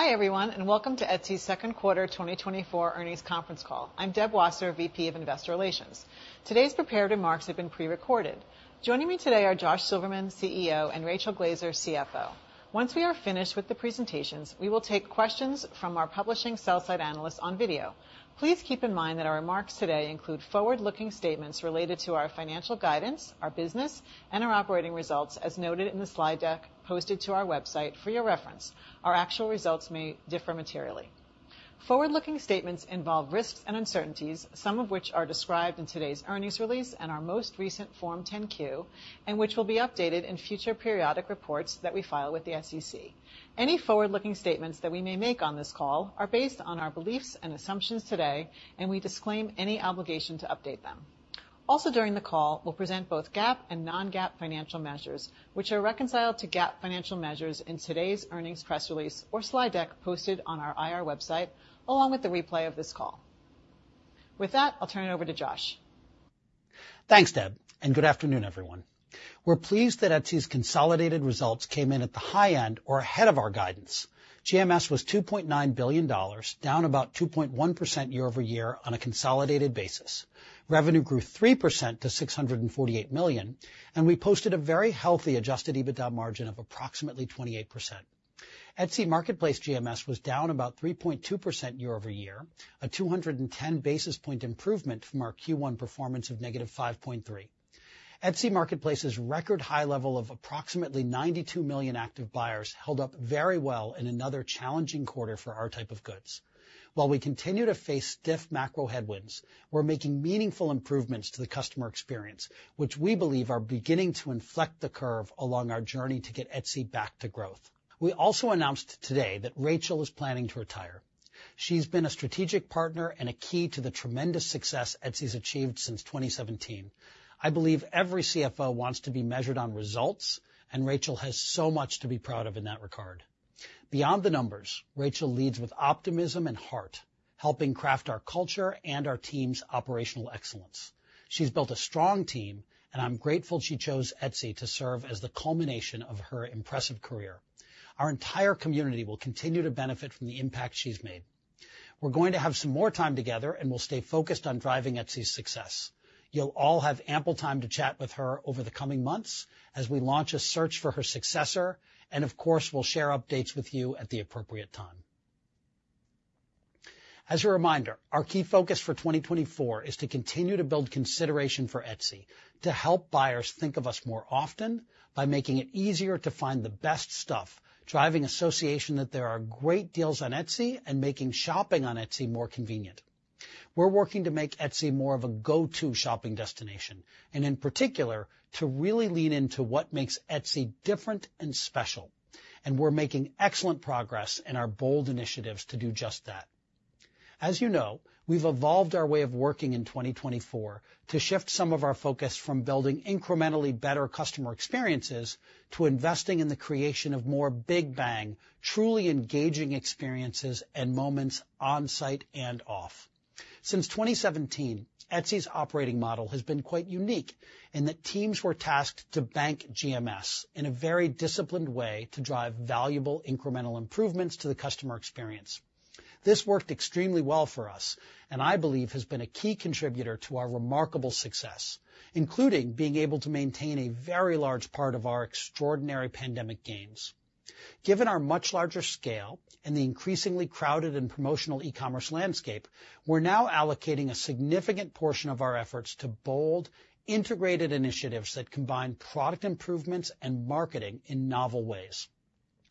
Hi, everyone, and welcome to Etsy's second quarter 2024 earnings conference call. I'm Deb Wasser, VP of Investor Relations. Today's prepared remarks have been prerecorded. Joining me today are Josh Silverman, CEO, and Rachel Glaser, CFO. Once we are finished with the presentations, we will take questions from our publishing sell-side analysts on video. Please keep in mind that our remarks today include forward-looking statements related to our financial guidance, our business, and our operating results, as noted in the slide deck posted to our website for your reference. Our actual results may differ materially. Forward-looking statements involve risks and uncertainties, some of which are described in today's earnings release and our most recent Form 10-Q, and which will be updated in future periodic reports that we file with the SEC. Any forward-looking statements that we may make on this call are based on our beliefs and assumptions today, and we disclaim any obligation to update them. Also, during the call, we'll present both GAAP and non-GAAP financial measures, which are reconciled to GAAP financial measures in today's earnings press release or slide deck posted on our IR website, along with the replay of this call. With that, I'll turn it over to Josh. Thanks, Deb, and good afternoon, everyone. We're pleased that Etsy's consolidated results came in at the high end or ahead of our guidance. GMS was $2.9 billion, down about 2.1% year-over-year on a consolidated basis. Revenue grew 3% to $648 million, and we posted a very healthy adjusted EBITDA margin of approximately 28%. Etsy marketplace GMS was down about 3.2% year-over-year, a 210 basis point improvement from our Q1 performance of negative 5.3. Etsy marketplace's record high level of approximately 92 million active buyers held up very well in another challenging quarter for our type of goods. While we continue to face stiff macro headwinds, we're making meaningful improvements to the customer experience, which we believe are beginning to inflect the curve along our journey to get Etsy back to growth. We also announced today that Rachel is planning to retire. She's been a strategic partner and a key to the tremendous success Etsy's achieved since 2017. I believe every CFO wants to be measured on results, and Rachel has so much to be proud of in that regard. Beyond the numbers, Rachel leads with optimism and heart, helping craft our culture and our team's operational excellence. She's built a strong team, and I'm grateful she chose Etsy to serve as the culmination of her impressive career. Our entire community will continue to benefit from the impact she's made. We're going to have some more time together, and we'll stay focused on driving Etsy's success. You'll all have ample time to chat with her over the coming months as we launch a search for her successor, and of course, we'll share updates with you at the appropriate time. As a reminder, our key focus for 2024 is to continue to build consideration for Etsy, to help buyers think of us more often by making it easier to find the best stuff, driving association that there are great deals on Etsy, and making shopping on Etsy more convenient. We're working to make Etsy more of a go-to shopping destination, and in particular, to really lean into what makes Etsy different and special, and we're making excellent progress in our bold initiatives to do just that. As you know, we've evolved our way of working in 2024 to shift some of our focus from building incrementally better customer experiences to investing in the creation of more big bang, truly engaging experiences and moments on-site and off. Since 2017, Etsy's operating model has been quite unique in that teams were tasked to bank GMS in a very disciplined way to drive valuable incremental improvements to the customer experience. This worked extremely well for us, and I believe has been a key contributor to our remarkable success, including being able to maintain a very large part of our extraordinary pandemic gains. Given our much larger scale and the increasingly crowded and promotional e-commerce landscape, we're now allocating a significant portion of our efforts to bold, integrated initiatives that combine product improvements and marketing in novel ways.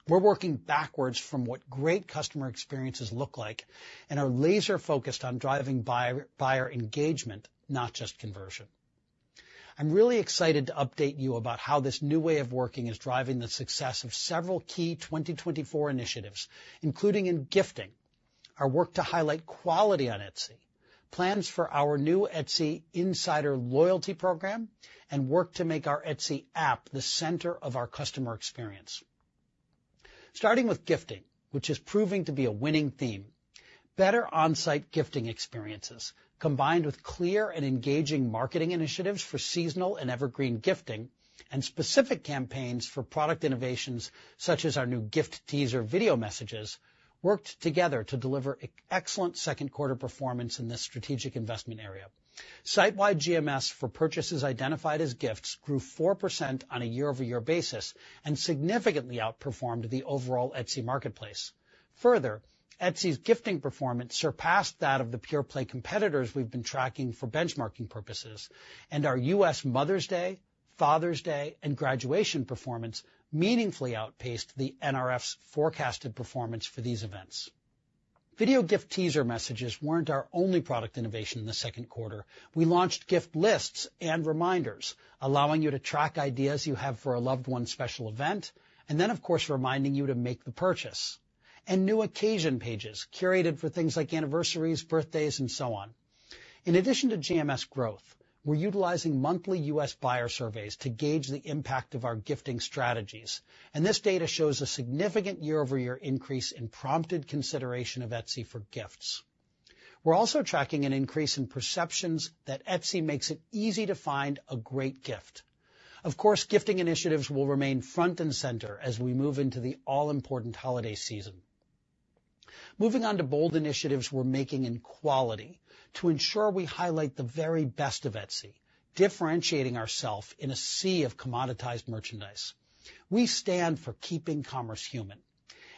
We're working backwards from what great customer experiences look like and are laser-focused on driving buyer engagement, not just conversion. I'm really excited to update you about how this new way of working is driving the success of several key 2024 initiatives, including in gifting, our work to highlight quality on Etsy, plans for our new Etsy Insider loyalty program, and work to make our Etsy app the center of our customer experience. Starting with gifting, which is proving to be a winning theme, better on-site gifting experiences, combined with clear and engaging marketing initiatives for seasonal and evergreen gifting, and specific campaigns for product innovations, such as our new Gift teaser video messages, worked together to deliver excellent second quarter performance in this strategic investment area. Sitewide GMS for purchases identified as gifts grew 4% on a year-over-year basis and significantly outperformed the overall Etsy marketplace. Further, Etsy's gifting performance surpassed that of the pure-play competitors we've been tracking for benchmarking purposes, and our U.S. Mother's Day, Father's Day, and graduation performance meaningfully outpaced the NRF's forecasted performance for these events. Video gift teaser messages weren't our only product innovation in the second quarter. We launched gift lists and reminders, allowing you to track ideas you have for a loved one's special event, and then, of course, reminding you to make the purchase. New occasion pages, curated for things like anniversaries, birthdays, and so on. In addition to GMS growth, we're utilizing monthly U.S. buyer surveys to gauge the impact of our gifting strategies, and this data shows a significant year-over-year increase in prompted consideration of Etsy for gifts.... We're also tracking an increase in perceptions that Etsy makes it easy to find a great gift. Of course, gifting initiatives will remain front and center as we move into the all-important holiday season. Moving on to bold initiatives we're making in quality to ensure we highlight the very best of Etsy, differentiating ourself in a sea of commoditized merchandise. We stand for keeping commerce human,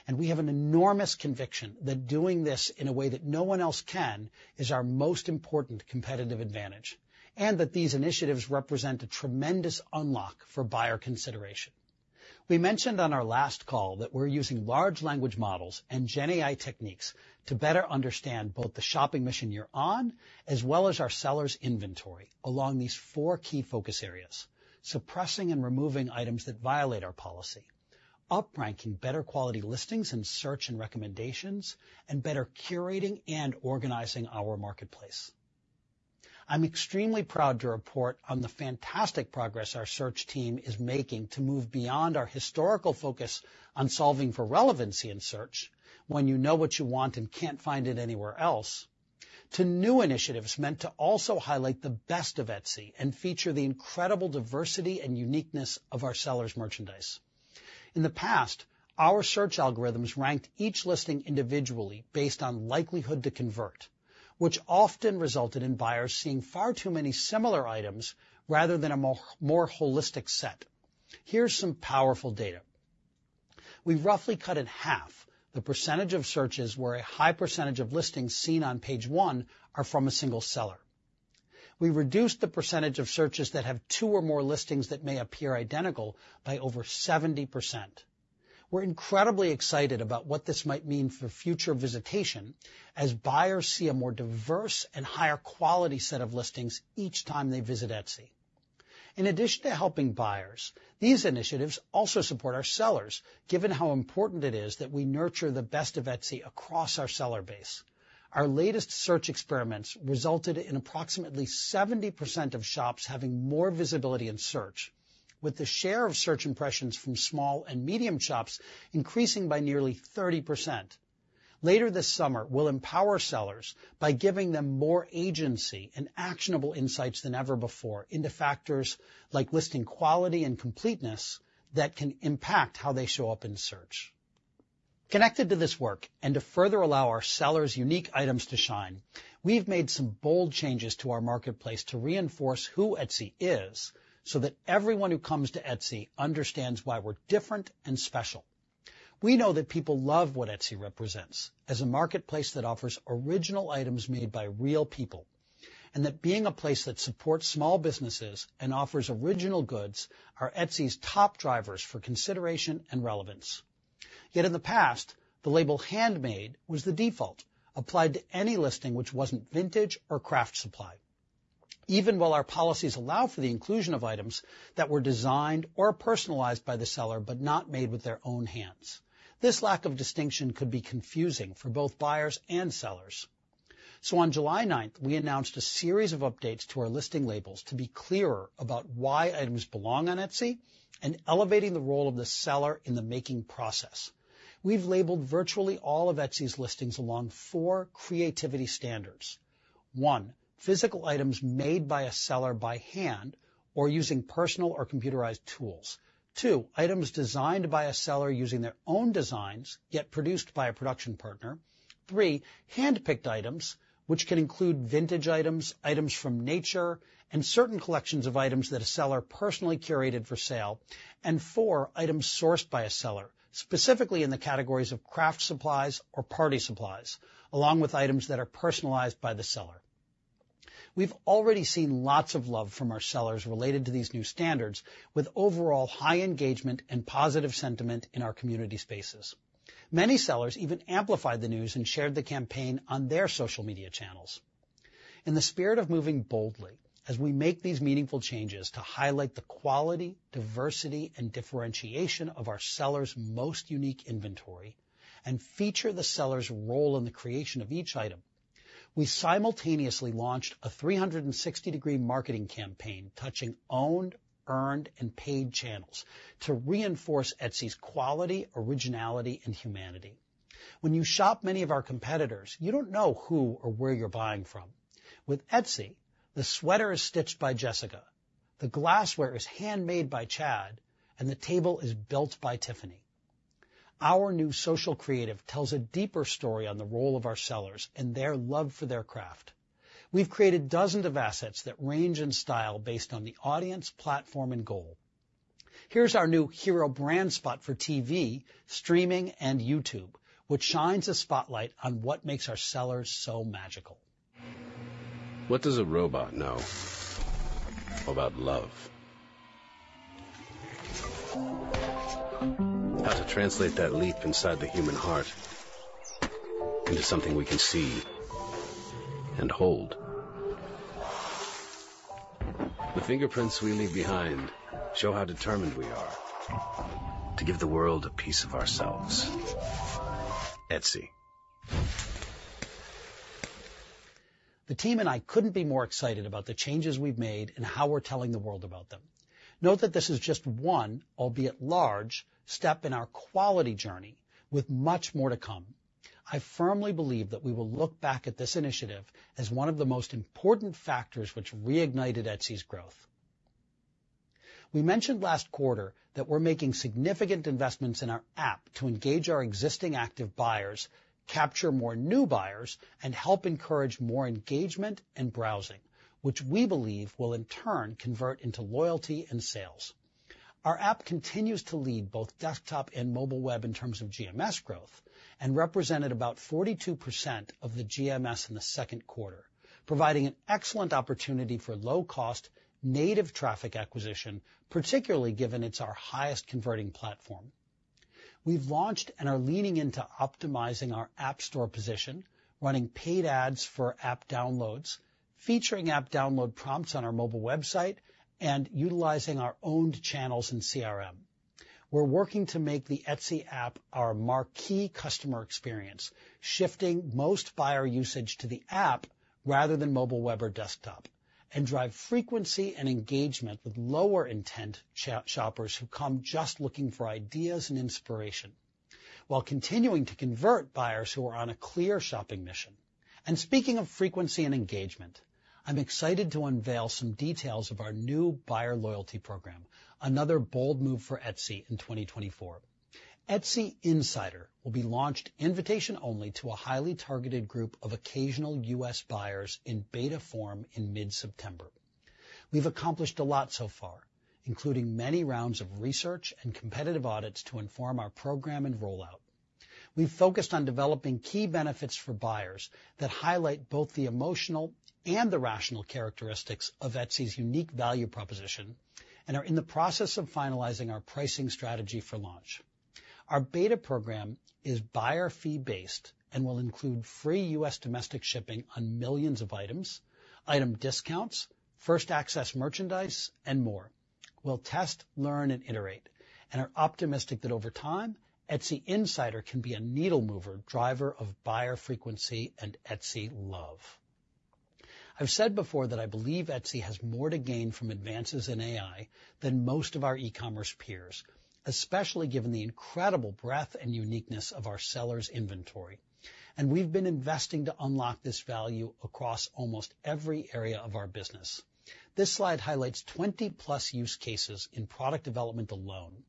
and we have an enormous conviction that doing this in a way that no one else can, is our most important competitive advantage, and that these initiatives represent a tremendous unlock for buyer consideration. We mentioned on our last call that we're using large language models and GenAI techniques to better understand both the shopping mission you're on, as well as our sellers' inventory, along these four key focus areas: suppressing and removing items that violate our policy, upranking better quality listings in search and recommendations, and better curating and organizing our marketplace. I'm extremely proud to report on the fantastic progress our search team is making to move beyond our historical focus on solving for relevancy in search, when you know what you want and can't find it anywhere else, to new initiatives meant to also highlight the best of Etsy and feature the incredible diversity and uniqueness of our sellers' merchandise. In the past, our search algorithms ranked each listing individually based on likelihood to convert, which often resulted in buyers seeing far too many similar items rather than a more holistic set. Here's some powerful data. We've roughly cut in half the percentage of searches where a high percentage of listings seen on page one are from a single seller. We reduced the percentage of searches that have two or more listings that may appear identical by over 70%. We're incredibly excited about what this might mean for future visitation, as buyers see a more diverse and higher quality set of listings each time they visit Etsy. In addition to helping buyers, these initiatives also support our sellers, given how important it is that we nurture the best of Etsy across our seller base. Our latest search experiments resulted in approximately 70% of shops having more visibility in search, with the share of search impressions from small and medium shops increasing by nearly 30%. Later this summer, we'll empower sellers by giving them more agency and actionable insights than ever before into factors like listing quality and completeness that can impact how they show up in search. Connected to this work, and to further allow our sellers' unique items to shine, we've made some bold changes to our marketplace to reinforce who Etsy is, so that everyone who comes to Etsy understands why we're different and special. We know that people love what Etsy represents, as a marketplace that offers original items made by real people, and that being a place that supports small businesses and offers original goods are Etsy's top drivers for consideration and relevance. Yet in the past, the label handmade was the default, applied to any listing which wasn't vintage or craft supply. Even while our policies allow for the inclusion of items that were designed or personalized by the seller, but not made with their own hands. This lack of distinction could be confusing for both buyers and sellers. So on July ninth, we announced a series of updates to our listing labels to be clearer about why items belong on Etsy, and elevating the role of the seller in the making process. We've labeled virtually all of Etsy's listings along four Creativity Standards: one, physical items made by a seller by hand or using personal or computerized tools. Two, items designed by a seller using their own designs, yet produced by a production partner. Three, handpicked items, which can include vintage items, items from nature, and certain collections of items that a seller personally curated for sale. And four, items sourced by a seller, specifically in the categories of craft supplies or party supplies, along with items that are personalized by the seller. We've already seen lots of love from our sellers related to these new standards, with overall high engagement and positive sentiment in our community spaces. Many sellers even amplified the news and shared the campaign on their social media channels. In the spirit of moving boldly, as we make these meaningful changes to highlight the quality, diversity, and differentiation of our sellers' most unique inventory and feature the seller's role in the creation of each item, we simultaneously launched a 360-degree marketing campaign, touching owned, earned, and paid channels, to reinforce Etsy's quality, originality, and humanity. When you shop many of our competitors, you don't know who or where you're buying from. With Etsy, the sweater is stitched by Jessica, the glassware is handmade by Chad, and the table is built by Tiffany. Our new social creative tells a deeper story on the role of our sellers and their love for their craft. We've created dozens of assets that range in style based on the audience, platform, and goal. Here's our new hero brand spot for TV, streaming, and YouTube, which shines a spotlight on what makes our sellers so magical. What does a robot know about love? How to translate that leap inside the human heart into something we can see and hold. The fingerprints we leave behind show how determined we are to give the world a piece of ourselves. Etsy.... The team and I couldn't be more excited about the changes we've made and how we're telling the world about them. Note that this is just one, albeit large, step in our quality journey, with much more to come. I firmly believe that we will look back at this initiative as one of the most important factors which reignited Etsy's growth. We mentioned last quarter that we're making significant investments in our app to engage our existing active buyers, capture more new buyers, and help encourage more engagement and browsing, which we believe will, in turn, convert into loyalty and sales. Our app continues to lead both desktop and mobile web in terms of GMS growth, and represented about 42% of the GMS in the second quarter, providing an excellent opportunity for low-cost, native traffic acquisition, particularly given it's our highest converting platform. We've launched and are leaning into optimizing our app store position, running paid ads for app downloads, featuring app download prompts on our mobile website, and utilizing our owned channels in CRM. We're working to make the Etsy app our marquee customer experience, shifting most buyer usage to the app rather than mobile web or desktop, and drive frequency and engagement with lower-intent shoppers who come just looking for ideas and inspiration, while continuing to convert buyers who are on a clear shopping mission. And speaking of frequency and engagement, I'm excited to unveil some details of our new buyer loyalty program, another bold move for Etsy in 2024. Etsy Insider will be launched invitation only to a highly targeted group of occasional U.S. buyers in beta form in mid-September. We've accomplished a lot so far, including many rounds of research and competitive audits to inform our program and rollout. We've focused on developing key benefits for buyers that highlight both the emotional and the rational characteristics of Etsy's unique value proposition, and are in the process of finalizing our pricing strategy for launch. Our beta program is buyer fee-based and will include free U.S. domestic shipping on millions of items, item discounts, first access merchandise, and more. We'll test, learn, and iterate, and are optimistic that over time, Etsy Insider can be a needle mover, driver of buyer frequency, and Etsy love. I've said before that I believe Etsy has more to gain from advances in AI than most of our e-commerce peers, especially given the incredible breadth and uniqueness of our sellers' inventory, and we've been investing to unlock this value across almost every area of our business. This slide highlights 20+ use cases in product development alone.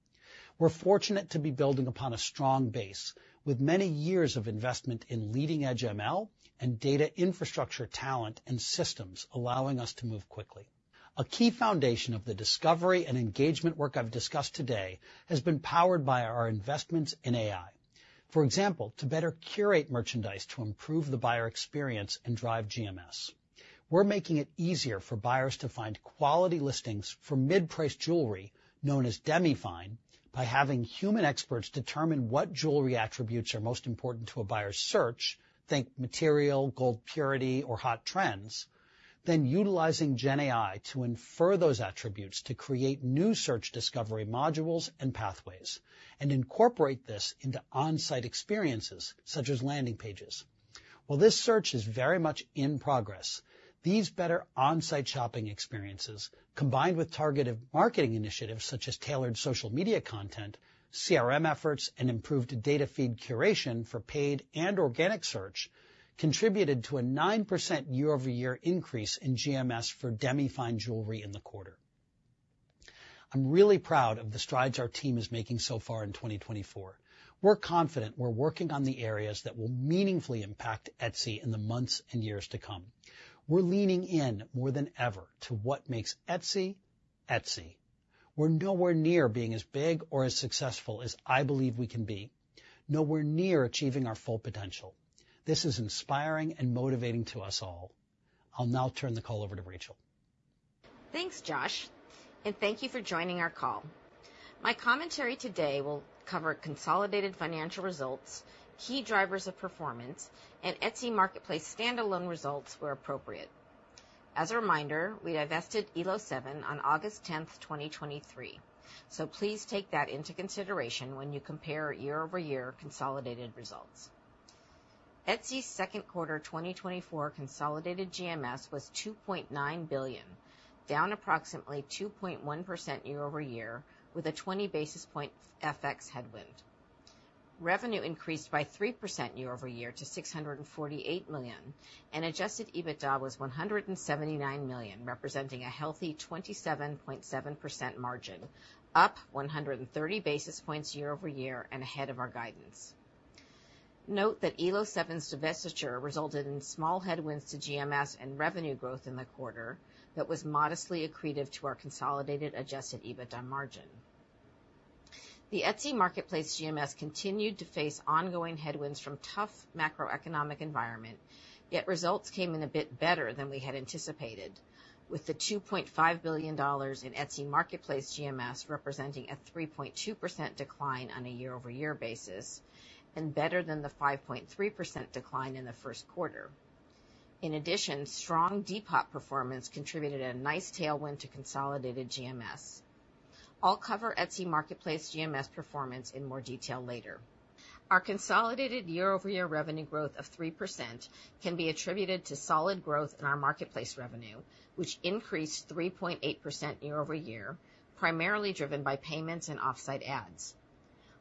We're fortunate to be building upon a strong base, with many years of investment in leading-edge ML and data infrastructure, talent, and systems, allowing us to move quickly. A key foundation of the discovery and engagement work I've discussed today has been powered by our investments in AI. For example, to better curate merchandise to improve the buyer experience and drive GMS. We're making it easier for buyers to find quality listings for mid-priced jewelry, known as demi-fine, by having human experts determine what jewelry attributes are most important to a buyer's search, think material, gold purity, or hot trends, then utilizing GenAI to infer those attributes to create new search discovery modules and pathways, and incorporate this into on-site experiences, such as landing pages. While this search is very much in progress, these better on-site shopping experiences, combined with targeted marketing initiatives, such as tailored social media content, CRM efforts, and improved data feed curation for paid and organic search, contributed to a 9% year-over-year increase in GMS for demi-fine jewelry in the quarter. I'm really proud of the strides our team is making so far in 2024. We're confident we're working on the areas that will meaningfully impact Etsy in the months and years to come. We're leaning in more than ever to what makes Etsy, Etsy. We're nowhere near being as big or as successful as I believe we can be, nowhere near achieving our full potential. This is inspiring and motivating to us all. I'll now turn the call over to Rachel. Thanks, Josh, and thank you for joining our call. My commentary today will cover consolidated financial results, key drivers of performance, and Etsy marketplace standalone results where appropriate. As a reminder, we divested Elo7 on August 10th, 2023, so please take that into consideration when you compare year-over-year consolidated results. Etsy's second quarter 2024 consolidated GMS was $2.9 billion, down approximately 2.1% year-over-year, with a 20 basis point FX headwind. Revenue increased by 3% year-over-year to $648 million, and adjusted EBITDA was $179 million, representing a healthy 27.7% margin, up 130 basis points year-over-year and ahead of our guidance. Note that Elo7's divestiture resulted in small headwinds to GMS and revenue growth in the quarter that was modestly accretive to our consolidated adjusted EBITDA margin. The Etsy marketplace GMS continued to face ongoing headwinds from tough macroeconomic environment, yet results came in a bit better than we had anticipated, with the $2.5 billion in Etsy marketplace GMS representing a 3.2% decline on a year-over-year basis, and better than the 5.3% decline in the first quarter. In addition, strong Depop performance contributed a nice tailwind to consolidated GMS. I'll cover Etsy marketplace GMS performance in more detail later. Our consolidated year-over-year revenue growth of 3% can be attributed to solid growth in our marketplace revenue, which increased 3.8% year-over-year, primarily driven by payments and Offsite Ads.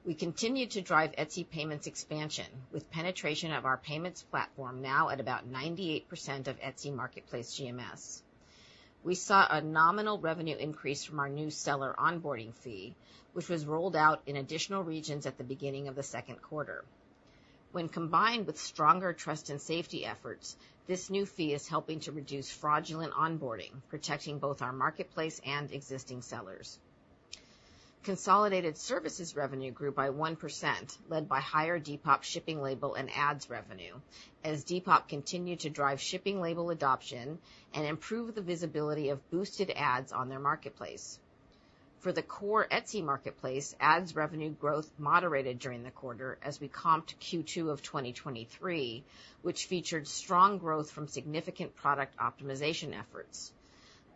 We continued to drive Etsy Payments expansion, with penetration of our payments platform now at about 98% of Etsy marketplace GMS. We saw a nominal revenue increase from our new seller onboarding fee, which was rolled out in additional regions at the beginning of the second quarter. When combined with stronger trust and safety efforts, this new fee is helping to reduce fraudulent onboarding, protecting both our marketplace and existing sellers. Consolidated services revenue grew by 1%, led by higher Depop shipping label and ads revenue, as Depop continued to drive shipping label adoption and improve the visibility of boosted ads on their marketplace. For the core Etsy marketplace, ads revenue growth moderated during the quarter as we comped Q2 of 2023, which featured strong growth from significant product optimization efforts.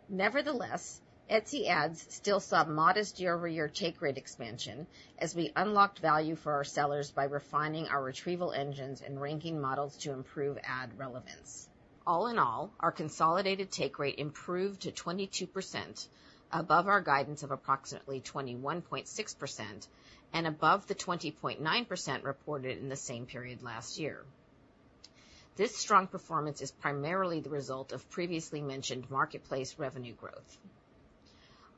Nevertheless, Etsy Ads still saw modest year-over-year take rate expansion as we unlocked value for our sellers by refining our retrieval engines and ranking models to improve ad relevance. All in all, our consolidated take rate improved to 22%, above our guidance of approximately 21.6% and above the 20.9% reported in the same period last year. This strong performance is primarily the result of previously mentioned marketplace revenue growth.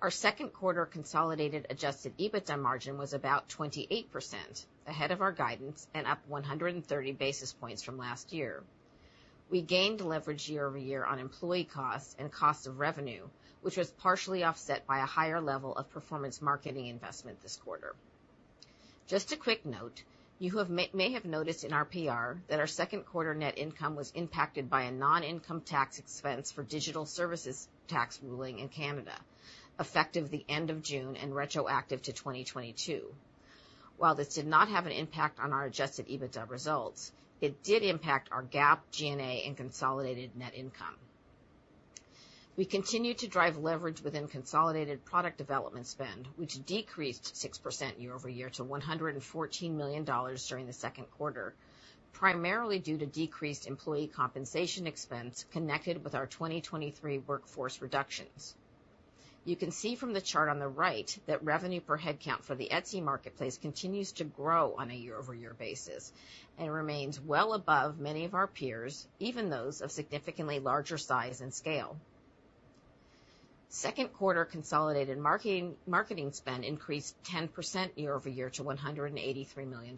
Our second quarter consolidated Adjusted EBITDA margin was about 28%, ahead of our guidance and up 130 basis points from last year. We gained leverage year over year on employee costs and cost of revenue, which was partially offset by a higher level of performance marketing investment this quarter. Just a quick note, you may have noticed in our PR that our second quarter net income was impacted by a non-income tax expense for digital services tax ruling in Canada, effective the end of June and retroactive to 2022. While this did not have an impact on our adjusted EBITDA results, it did impact our GAAP G&A and consolidated net income. We continued to drive leverage within consolidated product development spend, which decreased 6% year-over-year to $114 million during the second quarter, primarily due to decreased employee compensation expense connected with our 2023 workforce reductions. You can see from the chart on the right that revenue per headcount for the Etsy marketplace continues to grow on a year-over-year basis and remains well above many of our peers, even those of significantly larger size and scale. Second quarter consolidated marketing spend increased 10% year-over-year to $183 million.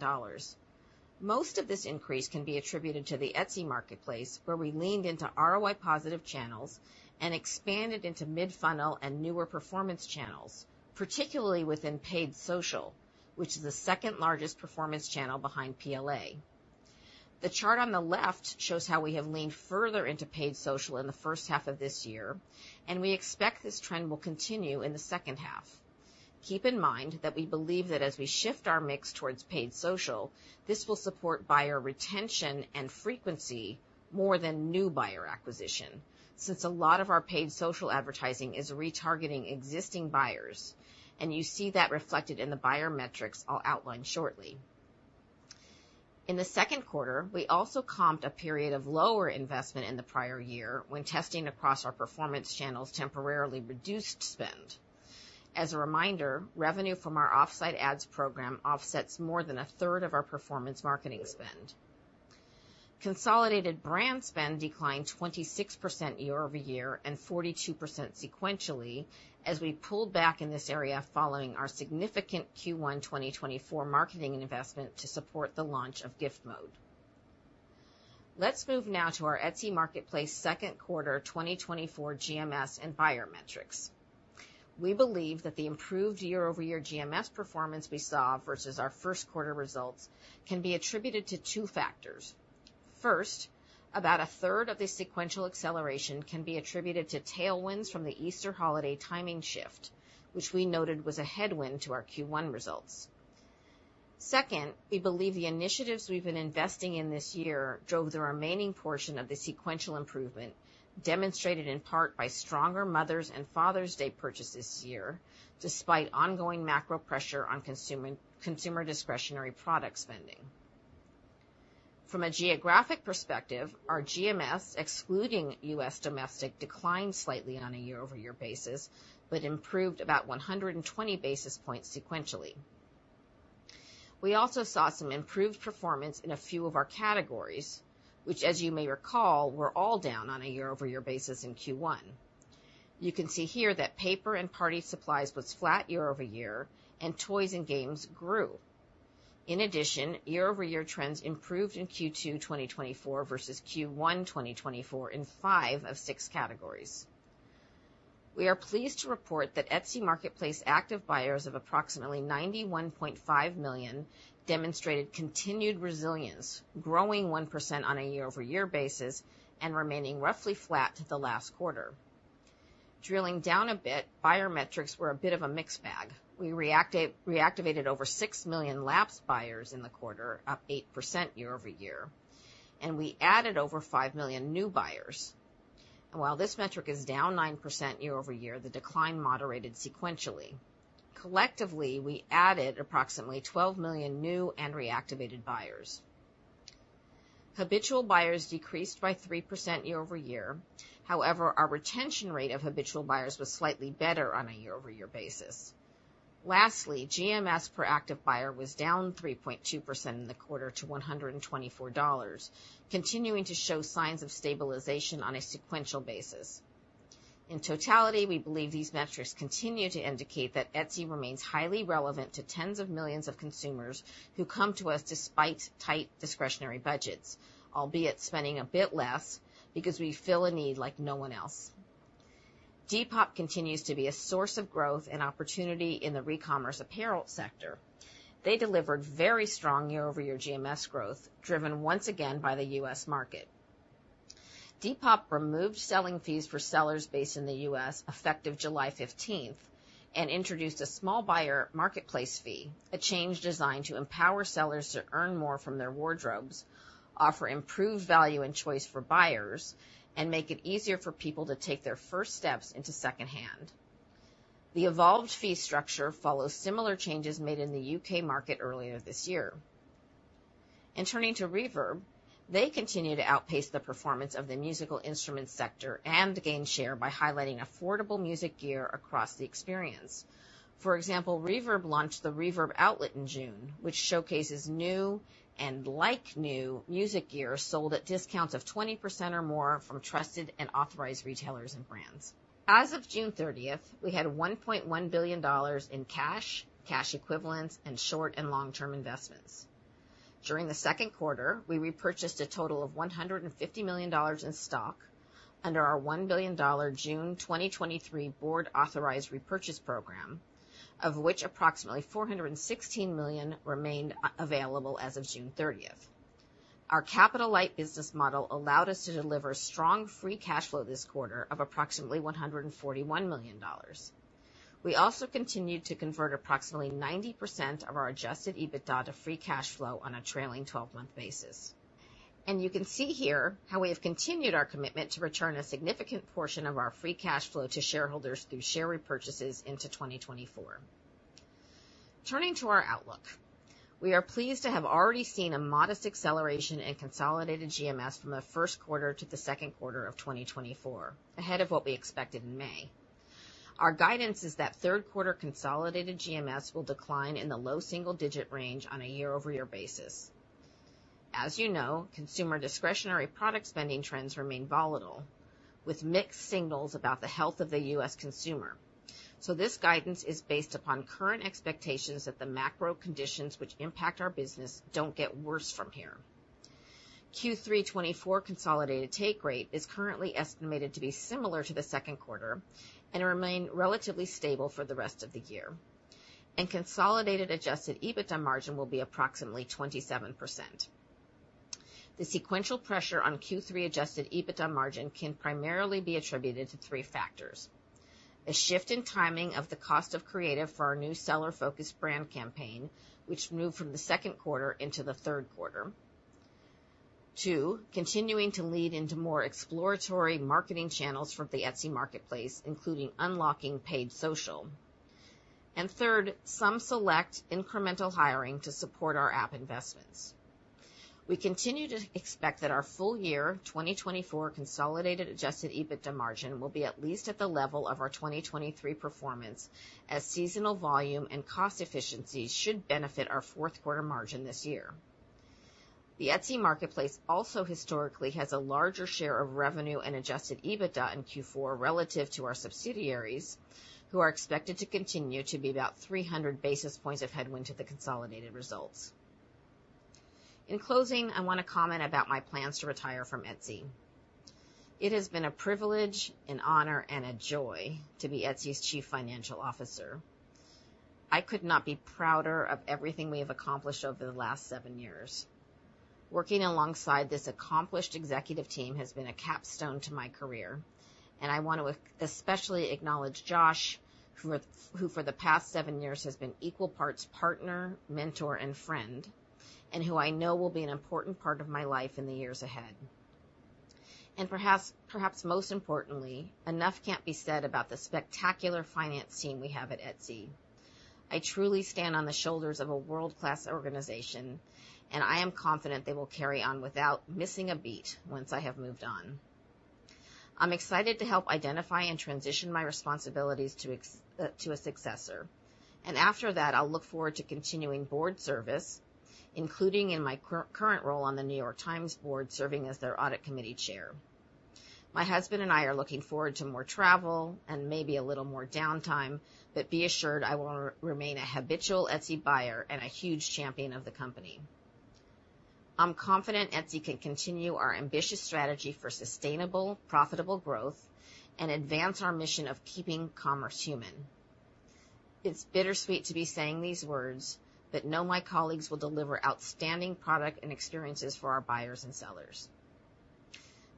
Most of this increase can be attributed to the Etsy marketplace, where we leaned into ROI-positive channels and expanded into mid-funnel and newer performance channels, particularly within paid social, which is the second-largest performance channel behind PLA. The chart on the left shows how we have leaned further into paid social in the first half of this year, and we expect this trend will continue in the second half. Keep in mind that we believe that as we shift our mix towards paid social, this will support buyer retention and frequency more than new buyer acquisition, since a lot of our paid social advertising is retargeting existing buyers, and you see that reflected in the buyer metrics I'll outline shortly. In the second quarter, we also comped a period of lower investment in the prior year when testing across our performance channels temporarily reduced spend. As a reminder, revenue from our off-site ads program offsets more than a third of our performance marketing spend. Consolidated brand spend declined 26% year over year and 42% sequentially as we pulled back in this area following our significant Q1 2024 marketing investment to support the launch of Gift Mode. Let's move now to our Etsy marketplace second quarter 2024 GMS and buyer metrics. We believe that the improved year-over-year GMS performance we saw versus our first quarter results can be attributed to two factors. First, about a third of the sequential acceleration can be attributed to tailwinds from the Easter holiday timing shift, which we noted was a headwind to our Q1 results. Second, we believe the initiatives we've been investing in this year drove the remaining portion of the sequential improvement, demonstrated in part by stronger Mother's and Father's Day purchases, year-over-year, despite ongoing macro pressure on consumer discretionary product spending. From a geographic perspective, our GMS, excluding U.S. domestic, declined slightly on a year-over-year basis, but improved about 100 basis points sequentially. We also saw some improved performance in a few of our categories, which, as you may recall, were all down on a year-over-year basis in Q1. You can see here that Paper and Party Supplies was flat year-over-year, and Toys and Games grew. In addition, year-over-year trends improved in Q2 2024 versus Q1 2024 in five of six categories. We are pleased to report that Etsy marketplace active buyers of approximately 91.5 million demonstrated continued resilience, growing 1% on a year-over-year basis and remaining roughly flat to the last quarter. Drilling down a bit, buyer metrics were a bit of a mixed bag. We reactivated over 6 million lapsed buyers in the quarter, up 8% year-over-year, and we added over 5 million new buyers. While this metric is down 9% year-over-year, the decline moderated sequentially. Collectively, we added approximately 12 million new and reactivated buyers. Habitual buyers decreased by 3% year-over-year. However, our retention rate of habitual buyers was slightly better on a year-over-year basis. Lastly, GMS per active buyer was down 3.2% in the quarter to $124, continuing to show signs of stabilization on a sequential basis. In totality, we believe these metrics continue to indicate that Etsy remains highly relevant to tens of millions of consumers who come to us despite tight discretionary budgets, albeit spending a bit less, because we fill a need like no one else. Depop continues to be a source of growth and opportunity in the recommerce apparel sector. They delivered very strong year-over-year GMS growth, driven once again by the U.S. market. Depop removed selling fees for sellers based in the U.S. effective July fifteenth, and introduced a small buyer marketplace fee, a change designed to empower sellers to earn more from their wardrobes, offer improved value and choice for buyers, and make it easier for people to take their first steps into second-hand. The evolved fee structure follows similar changes made in the U.K. market earlier this year. Turning to Reverb, they continue to outpace the performance of the musical instrument sector and gain share by highlighting affordable music gear across the experience. For example, Reverb launched the Reverb Outlet in June, which showcases new and like-new music gear sold at discounts of 20% or more from trusted and authorized retailers and brands. As of June 30th, we had $1.1 billion in cash, cash equivalents, and short- and long-term investments. During the second quarter, we repurchased a total of $150 million in stock under our $1 billion June 2023 board-authorized repurchase program, of which approximately $416 million remained available as of June 30th. Our capital-light business model allowed us to deliver strong free cash flow this quarter of approximately $141 million. We also continued to convert approximately 90% of our adjusted EBITDA to free cash flow on a trailing 12-month basis. And you can see here how we have continued our commitment to return a significant portion of our free cash flow to shareholders through share repurchases into 2024. Turning to our outlook, we are pleased to have already seen a modest acceleration in consolidated GMS from the first quarter to the second quarter of 2024, ahead of what we expected in May. Our guidance is that third quarter consolidated GMS will decline in the low single-digit range on a year-over-year basis. As you know, consumer discretionary product spending trends remain volatile, with mixed signals about the health of the U.S. consumer. So this guidance is based upon current expectations that the macro conditions which impact our business don't get worse from here. Q3 2024 consolidated take rate is currently estimated to be similar to the second quarter and remain relatively stable for the rest of the year, and consolidated adjusted EBITDA margin will be approximately 27%. The sequential pressure on Q3 adjusted EBITDA margin can primarily be attributed to three factors: A shift in timing of the cost of creative for our new seller-focused brand campaign, which moved from the second quarter into the third quarter. Two, continuing to lead into more exploratory marketing channels for the Etsy marketplace, including unlocking paid social. And third, some select incremental hiring to support our app investments. We continue to expect that our full year 2024 consolidated adjusted EBITDA margin will be at least at the level of our 2023 performance, as seasonal volume and cost efficiencies should benefit our fourth quarter margin this year. The Etsy marketplace also historically has a larger share of revenue and Adjusted EBITDA in Q4 relative to our subsidiaries, who are expected to continue to be about 300 basis points of headwind to the consolidated results. In closing, I want to comment about my plans to retire from Etsy. It has been a privilege, an honor, and a joy to be Etsy's Chief Financial Officer. I could not be prouder of everything we have accomplished over the last seven years. Working alongside this accomplished executive team has been a capstone to my career, and I want to especially acknowledge Josh, who for the past seven years has been equal parts partner, mentor, and friend, and who I know will be an important part of my life in the years ahead. Perhaps most importantly, enough can't be said about the spectacular finance team we have at Etsy. I truly stand on the shoulders of a world-class organization, and I am confident they will carry on without missing a beat once I have moved on. I'm excited to help identify and transition my responsibilities to a successor, and after that, I'll look forward to continuing board service, including in my current role on the New York Times board, serving as their audit committee chair. My husband and I are looking forward to more travel and maybe a little more downtime, but be assured, I will remain a habitual Etsy buyer and a huge champion of the company. I'm confident Etsy can continue our ambitious strategy for sustainable, profitable growth and advance our mission of keeping commerce human. It's bittersweet to be saying these words, but know my colleagues will deliver outstanding product and experiences for our buyers and sellers.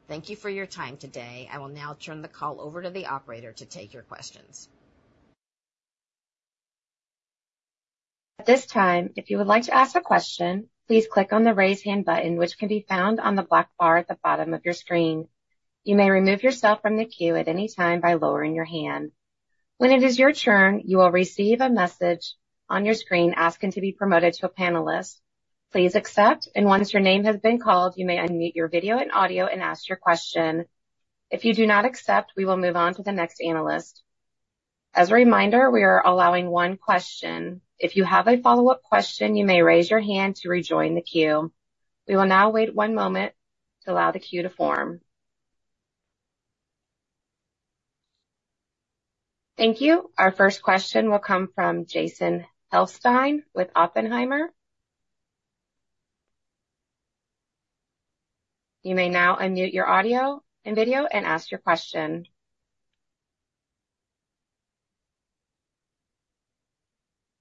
Thank you for your time today. I will now turn the call over to the operator to take your questions. ...At this time, if you would like to ask a question, please click on the Raise Hand button, which can be found on the black bar at the bottom of your screen. You may remove yourself from the queue at any time by lowering your hand. When it is your turn, you will receive a message on your screen asking to be promoted to a panelist. Please accept, and once your name has been called, you may unmute your video and audio and ask your question. If you do not accept, we will move on to the next analyst. As a reminder, we are allowing one question. If you have a follow-up question, you may raise your hand to rejoin the queue. We will now wait one moment to allow the queue to form. Thank you. Our first question will come from Jason Helfstein with Oppenheimer. You may now unmute your audio and video and ask your question.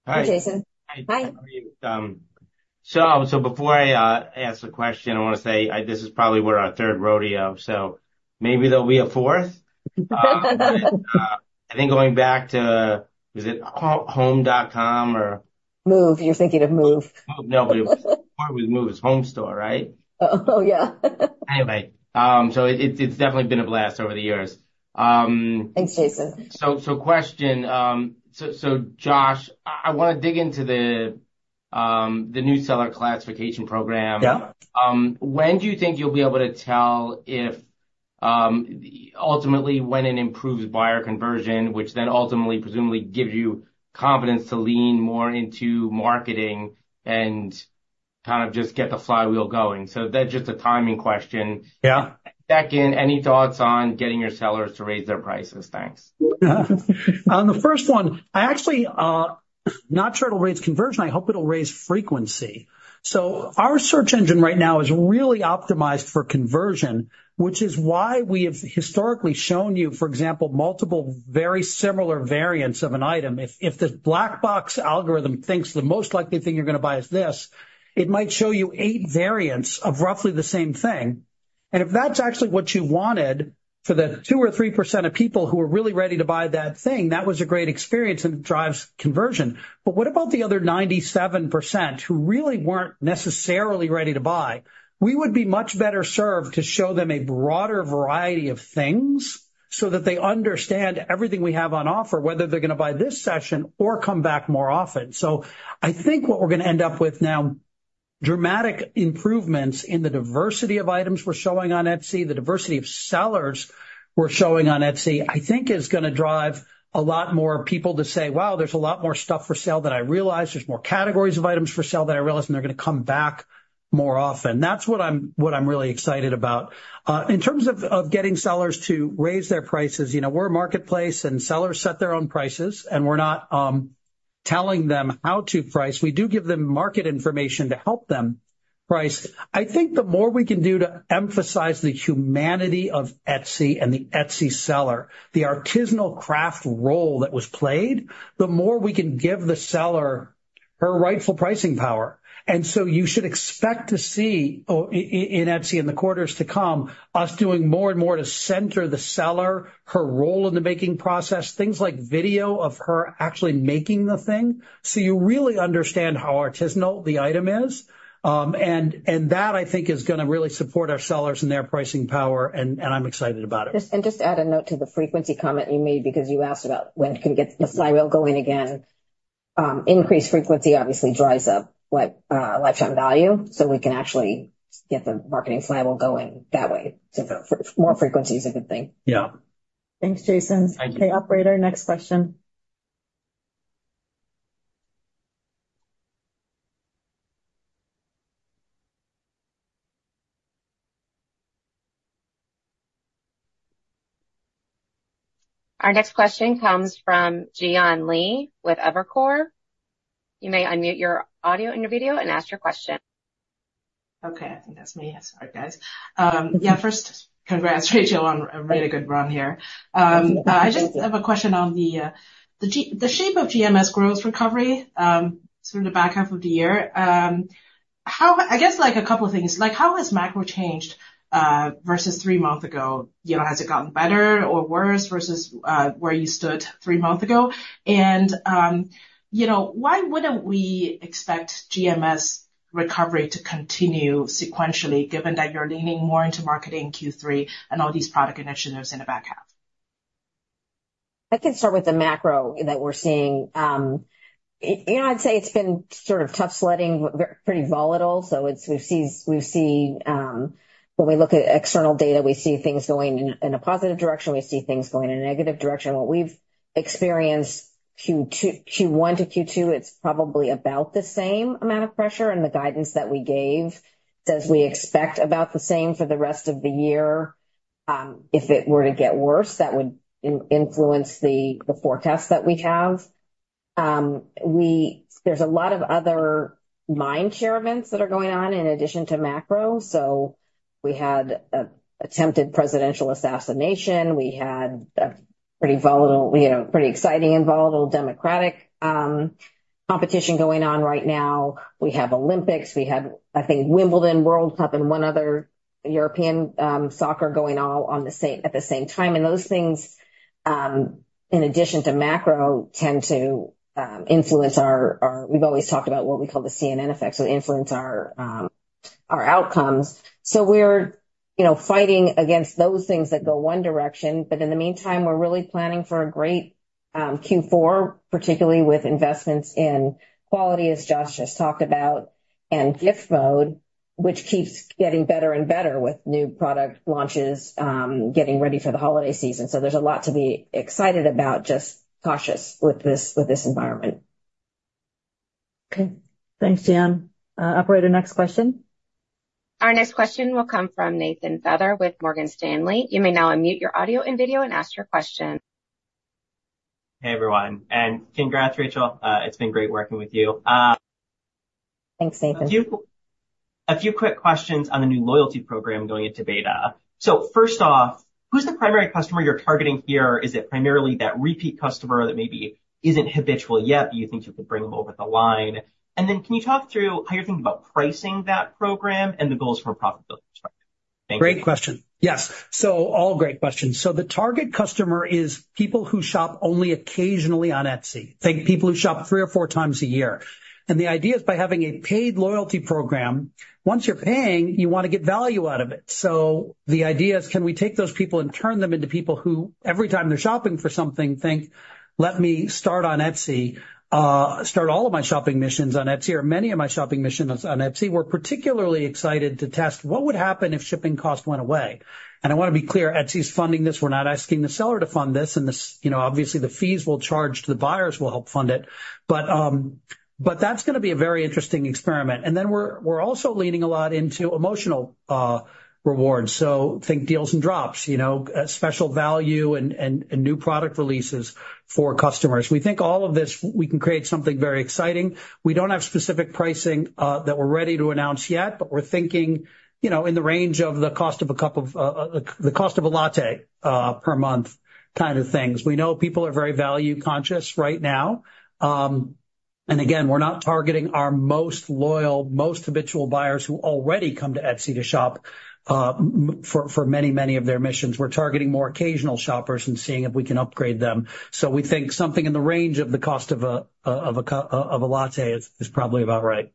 Hi. Hi, Jason. Hi. Hi. So before I ask the question, I want to say, this is probably our third rodeo, so maybe there'll be a fourth? I think going back to, was it Homestore.com or- Move. You're thinking of Move. No, but it was, before it was Move, it was Homestore, right? Oh, yeah. Anyway, so it's definitely been a blast over the years. Thanks, Jason. So, question, Josh, I wanna dig into the new seller classification program. Yeah. When do you think you'll be able to tell if, ultimately, when it improves buyer conversion, which then ultimately, presumably gives you confidence to lean more into marketing and kind of just get the flywheel going? So that's just a timing question. Yeah. Second, any thoughts on getting your sellers to raise their prices? Thanks. On the first one, I actually not sure it'll raise conversion. I hope it'll raise frequency. So our search engine right now is really optimized for conversion, which is why we have historically shown you, for example, multiple very similar variants of an item. If, if the black box algorithm thinks the most likely thing you're going to buy is this, it might show you 8 variants of roughly the same thing. And if that's actually what you wanted, for the 2% or 3% of people who are really ready to buy that thing, that was a great experience, and it drives conversion. But what about the other 97% who really weren't necessarily ready to buy? We would be much better served to show them a broader variety of things so that they understand everything we have on offer, whether they're going to buy this session or come back more often. So I think what we're going to end up with now, dramatic improvements in the diversity of items we're showing on Etsy, the diversity of sellers we're showing on Etsy, I think is going to drive a lot more people to say, "Wow, there's a lot more stuff for sale than I realized. There's more categories of items for sale than I realized," and they're going to come back more often. That's what I'm really excited about. In terms of getting sellers to raise their prices, you know, we're a marketplace, and sellers set their own prices, and we're not telling them how to price. We do give them market information to help them price. I think the more we can do to emphasize the humanity of Etsy and the Etsy seller, the artisanal craft role that was played, the more we can give the seller her rightful pricing power. So you should expect to see in Etsy, in the quarters to come, us doing more and more to center the seller, her role in the making process, things like video of her actually making the thing. So you really understand how artisanal the item is. And that, I think, is gonna really support our sellers and their pricing power, and I'm excited about it. Just, and just to add a note to the frequency comment you made, because you asked about when it can get the flywheel going again. Increased frequency obviously drives up lifetime value, so we can actually get the marketing flywheel going that way. So, more frequency is a good thing. Yeah. Thanks, Jason. Thank you. Okay, operator, next question. Our next question comes from Jian Li with Evercore. You may unmute your audio and your video and ask your question. Okay, I think that's me. Yes. All right, guys. Yeah, first, congrats, Rachel, on a really good run here. I just have a question on the shape of GMS growth recovery, sort of the back half of the year. How... I guess, like, a couple of things. Like, how has macro changed versus three months ago? You know, has it gotten better or worse versus where you stood three months ago? And, you know, why wouldn't we expect GMS recovery to continue sequentially, given that you're leaning more into marketing in Q3 and all these product initiatives in the back half? I can start with the macro that we're seeing. You know, I'd say it's been sort of tough sledding, but pretty volatile. So it's we've seen, we've seen, when we look at external data, we see things going in a positive direction. We see things going in a negative direction. What we've experienced Q2, Q1 to Q2, it's probably about the same amount of pressure, and the guidance that we gave says we expect about the same for the rest of the year. If it were to get worse, that would influence the forecast that we have. There's a lot of other mind share events that are going on in addition to macro. So we had an attempted presidential assassination. We had a pretty volatile, you know, pretty exciting and volatile Democratic competition going on right now. We have Olympics. We have, I think, Wimbledon, World Cup, and one other European soccer going all at the same time. And those things, in addition to macro, tend to influence our outcomes. We've always talked about what we call the CNN effect, so influence our outcomes. So we're, you know, fighting against those things that go one direction, but in the meantime, we're really planning for a great Q4, particularly with investments in quality, as Josh just talked about, and Gift Mode, which keeps getting better and better with new product launches, getting ready for the holiday season. So there's a lot to be excited about, just cautious with this environment. Okay, thanks, Jian. Operator, next question. Our next question will come from Nathan Feather with Morgan Stanley. You may now unmute your audio and video and ask your question. Hey, everyone, and congrats, Rachel. It's been great working with you. Thanks, Nathan. A few quick questions on the new loyalty program going into beta. So first off, who's the primary customer you're targeting here? Is it primarily that repeat customer that maybe isn't habitual yet, but you think you could bring them over the line? And then can you talk through how you're thinking about pricing that program and the goals from a profitability perspective? Thank you. Great question. Yes, so all great questions. So the target customer is people who shop only occasionally on Etsy. Think people who shop three or four times a year. And the idea is by having a paid loyalty program, once you're paying, you want to get value out of it. So the idea is, can we take those people and turn them into people who, every time they're shopping for something, think, "Let me start on Etsy, start all of my shopping missions on Etsy, or many of my shopping missions on Etsy." We're particularly excited to test what would happen if shipping costs went away. And I want to be clear, Etsy's funding this. We're not asking the seller to fund this, and this, you know, obviously, the fees we'll charge to the buyers will help fund it, but, but that's gonna be a very interesting experiment. And then we're also leaning a lot into emotional rewards, so think deals and drops, you know, special value and new product releases for customers. We think all of this, we can create something very exciting. We don't have specific pricing that we're ready to announce yet, but we're thinking, you know, in the range of the cost of a latte per month kind of things. We know people are very value conscious right now. And again, we're not targeting our most loyal, most habitual buyers who already come to Etsy to shop for many, many of their missions. We're targeting more occasional shoppers and seeing if we can upgrade them. So we think something in the range of the cost of a latte is probably about right.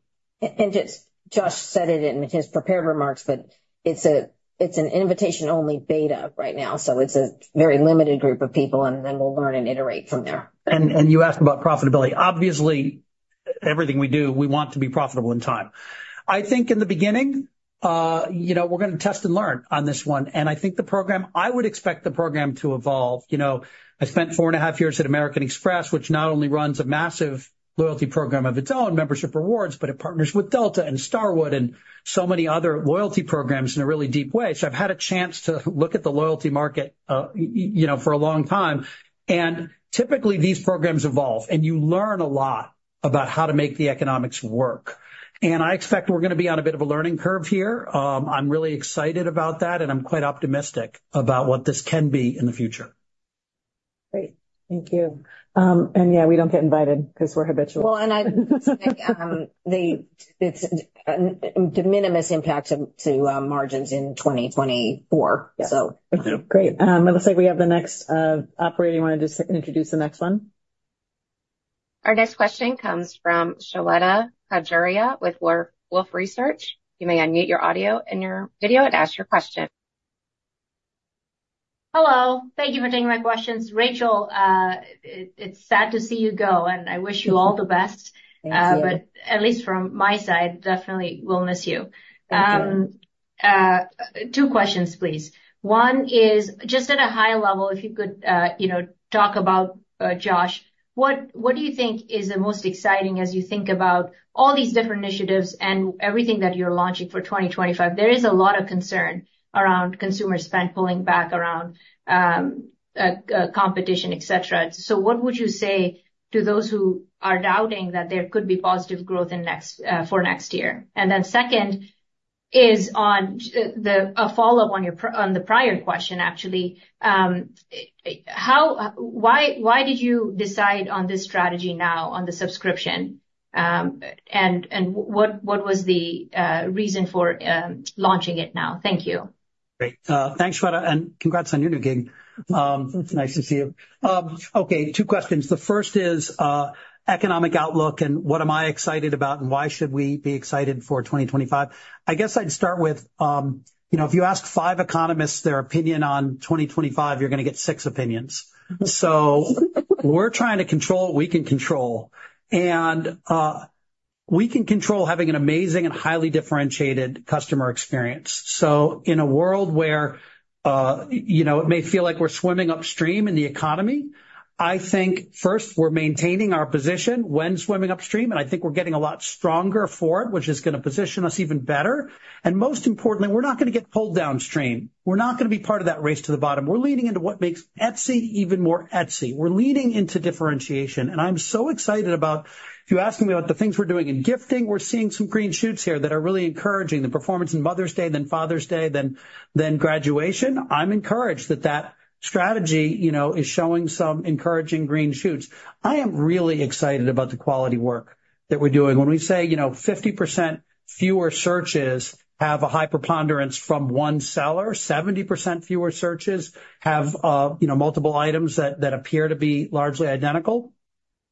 Just Josh said it in his prepared remarks, but it's a, it's an invitation-only beta right now, so it's a very limited group of people, and then we'll learn and iterate from there. You asked about profitability. Obviously, everything we do, we want to be profitable in time. I think in the beginning, you know, we're gonna test and learn on this one, and I think the program. I would expect the program to evolve. You know, I spent 4.5 years at American Express, which not only runs a massive loyalty program of its own, Membership Rewards, but it partners with Delta and Starwood and so many other loyalty programs in a really deep way. So I've had a chance to look at the loyalty market, you know, for a long time, and typically, these programs evolve, and you learn a lot about how to make the economics work. I expect we're gonna be on a bit of a learning curve here. I'm really excited about that, and I'm quite optimistic about what this can be in the future. Great. Thank you. And, yeah, we don't get invited 'cause we're habitual. Well, and I think it's a de minimis impact to margins in 2024, so. Yes. Thank you. Great. It looks like we have the next, Operator. You want to just introduce the next one? Our next question comes from Shweta Khajuria with Wolfe Research. You may unmute your audio and your video and ask your question. Hello, thank you for taking my questions. Rachel, it's sad to see you go, and I wish you all the best. Thank you. At least from my side, definitely we'll miss you. Thank you. Two questions, please. One is, just at a high level, if you could, you know, talk about, Josh, what do you think is the most exciting as you think about all these different initiatives and everything that you're launching for 2025? There is a lot of concern around consumer spend pulling back around, competition, et cetera. So what would you say to those who are doubting that there could be positive growth in next, for next year? And then second is on the -- a follow-up on your on the prior question, actually. How, why did you decide on this strategy now on the subscription? And what was the reason for launching it now? Thank you. Great. Thanks, Shweta, and congrats on your new gig. It's nice to see you. Okay, two questions. The first is, economic outlook, and what am I excited about, and why should we be excited for 2025? I guess I'd start with, you know, if you ask five economists their opinion on 2025, you're gonna get six opinions. So we're trying to control what we can control, and, we can control having an amazing and highly differentiated customer experience. So in a world where, you know, it may feel like we're swimming upstream in the economy, I think, first, we're maintaining our position when swimming upstream, and I think we're getting a lot stronger for it, which is gonna position us even better. And most importantly, we're not gonna get pulled downstream. We're not gonna be part of that race to the bottom. We're leaning into what makes Etsy even more Etsy. We're leaning into differentiation, and I'm so excited about you asking me about the things we're doing in gifting. We're seeing some green shoots here that are really encouraging. The performance in Mother's Day, then Father's Day, then graduation. I'm encouraged that strategy, you know, is showing some encouraging green shoots. I am really excited about the quality work that we're doing. When we say, you know, 50% fewer searches have a high preponderance from one seller, 70% fewer searches have, you know, multiple items that appear to be largely identical,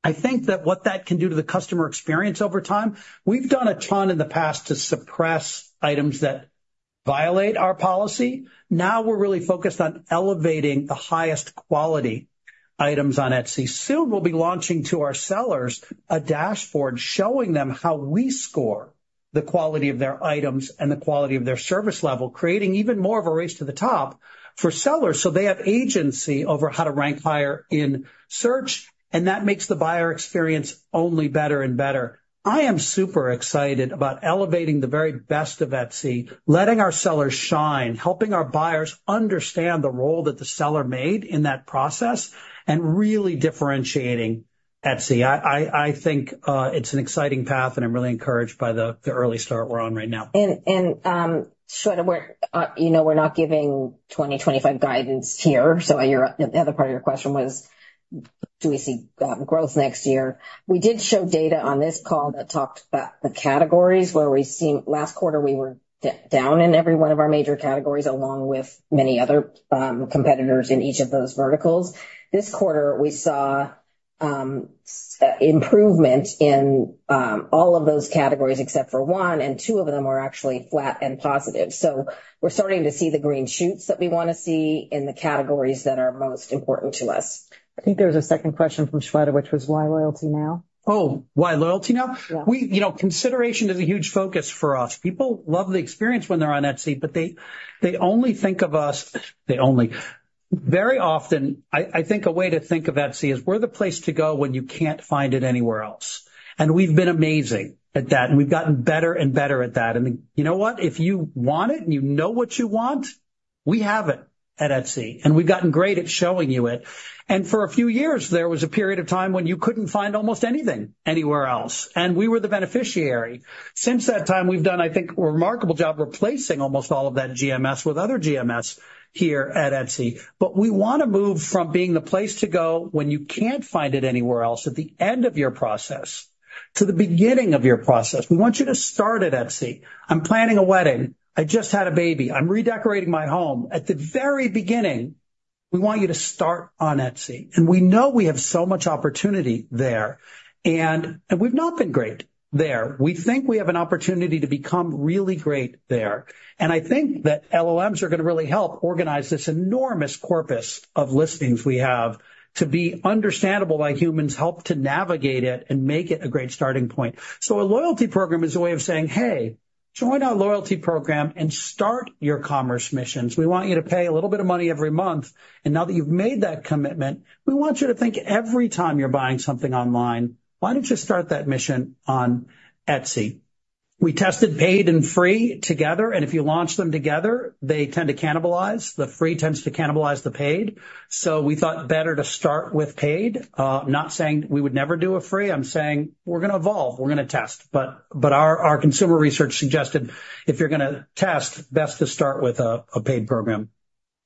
I think that what that can do to the customer experience over time. We've done a ton in the past to suppress items that violate our policy. Now we're really focused on elevating the highest quality items on Etsy. Soon, we'll be launching to our sellers a dashboard showing them how we score the quality of their items and the quality of their service level, creating even more of a race to the top for sellers, so they have agency over how to rank higher in search, and that makes the buyer experience only better and better. I am super excited about elevating the very best of Etsy, letting our sellers shine, helping our buyers understand the role that the seller made in that process, and really differentiating Etsy. I think it's an exciting path, and I'm really encouraged by the early start we're on right now. Shweta, we're, you know, we're not giving 2025 guidance here, so your, the other part of your question was, do we see growth next year? We did show data on this call that talked about the categories where we've seen. Last quarter, we were down in every one of our major categories, along with many other competitors in each of those verticals. This quarter, we saw improvement in all of those categories except for one, and two of them are actually flat and positive. So we're starting to see the green shoots that we want to see in the categories that are most important to us. I think there was a second question from Shweta, which was, why loyalty now? Oh, why loyalty now? Yeah. You know, consideration is a huge focus for us. People love the experience when they're on Etsy, but they only think of us. They only. Very often, I think a way to think of Etsy is we're the place to go when you can't find it anywhere else, and we've been amazing at that, and we've gotten better and better at that. And you know what? If you want it and you know what you want, we have it at Etsy, and we've gotten great at showing you it. And for a few years, there was a period of time when you couldn't find almost anything anywhere else, and we were the beneficiary. Since that time, we've done, I think, a remarkable job replacing almost all of that GMS with other GMS here at Etsy. But we want to move from being the place to go when you can't find it anywhere else at the end of your process to the beginning of your process. We want you to start at Etsy. I'm planning a wedding. I just had a baby. I'm redecorating my home. At the very beginning, we want you to start on Etsy, and we know we have so much opportunity there, and we've not been great there. We think we have an opportunity to become really great there, and I think that LLMs are going to really help organize this enormous corpus of listings we have to be understandable by humans, help to navigate it, and make it a great starting point. So a loyalty program is a way of saying, "Hey, join our loyalty program and start your commerce missions. We want you to pay a little bit of money every month, and now that you've made that commitment, we want you to think every time you're buying something online, why don't you start that mission on Etsy?" We tested paid and free together, and if you launch them together, they tend to cannibalize. The free tends to cannibalize the paid. So we thought better to start with paid. Not saying we would never do a free, I'm saying we're going to evolve, we're going to test. But our consumer research suggested if you're going to test, best to start with a paid program.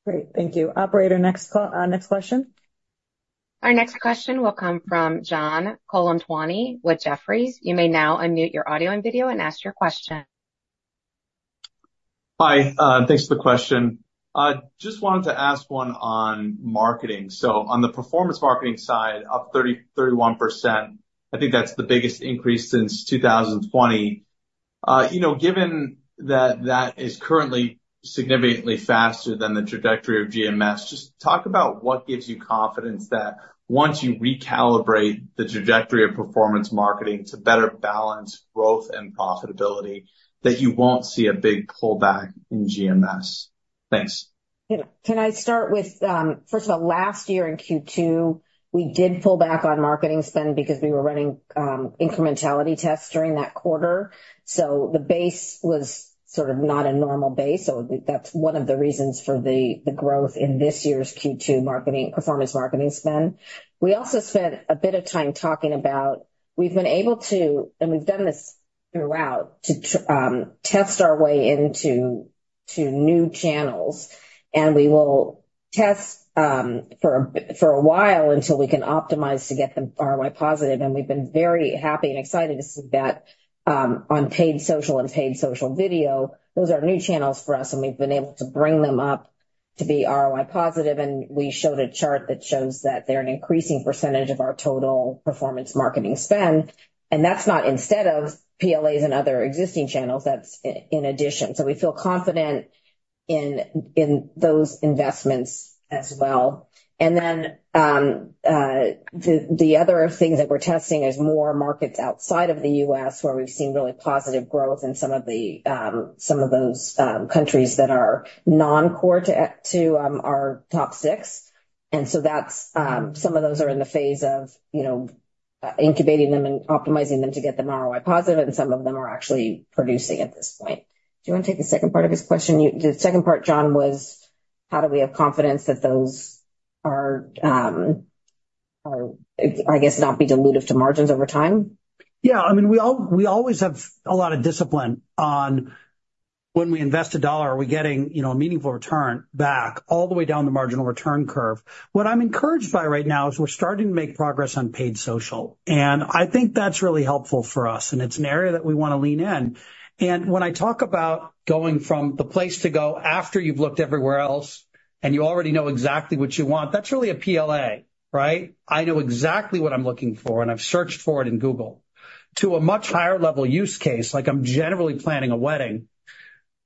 Great. Thank you. Operator, next question. Our next question will come from John Colantuoni with Jefferies. You may now unmute your audio and video and ask your question. Hi, thanks for the question. I just wanted to ask one on marketing. So on the performance marketing side, up 31%, I think that's the biggest increase since 2020. You know, given that that is currently significantly faster than the trajectory of GMS, just talk about what gives you confidence that once you recalibrate the trajectory of performance marketing to better balance growth and profitability, that you won't see a big pullback in GMS? Thanks. Yeah. Can I start with, first of all, last year in Q2, we did pull back on marketing spend because we were running, incrementality tests during that quarter. So the base was sort of not a normal base, so that's one of the reasons for the, the growth in this year's Q2 marketing, performance marketing spend. We also spent a bit of time talking about, we've been able to, and we've done this throughout, to test our way into new channels, and we will test, for a while, until we can optimize to get them ROI positive, and we've been very happy and excited to see that, on paid social and paid social video. Those are new channels for us, and we've been able to bring them up to be ROI positive, and we showed a chart that shows that they're an increasing percentage of our total performance marketing spend. And that's not instead of PLAs and other existing channels, that's in addition. So we feel confident in those investments as well. And then, the other thing that we're testing is more markets outside of the U.S., where we've seen really positive growth in some of those countries that are non-core to our top six. And so that's some of those are in the phase of, you know, incubating them and optimizing them to get them ROI positive, and some of them are actually producing at this point. Do you want to take the second part of his question? The second part, John, was how do we have confidence that those are, I guess, not be dilutive to margins over time? Yeah, I mean, we always have a lot of discipline on... When we invest a dollar, are we getting, you know, a meaningful return back all the way down the marginal return curve? What I'm encouraged by right now is we're starting to make progress on paid social, and I think that's really helpful for us, and it's an area that we want to lean in. And when I talk about going from the place to go after you've looked everywhere else, and you already know exactly what you want, that's really a PLA, right? I know exactly what I'm looking for, and I've searched for it in Google. To a much higher level use case, like I'm generally planning a wedding,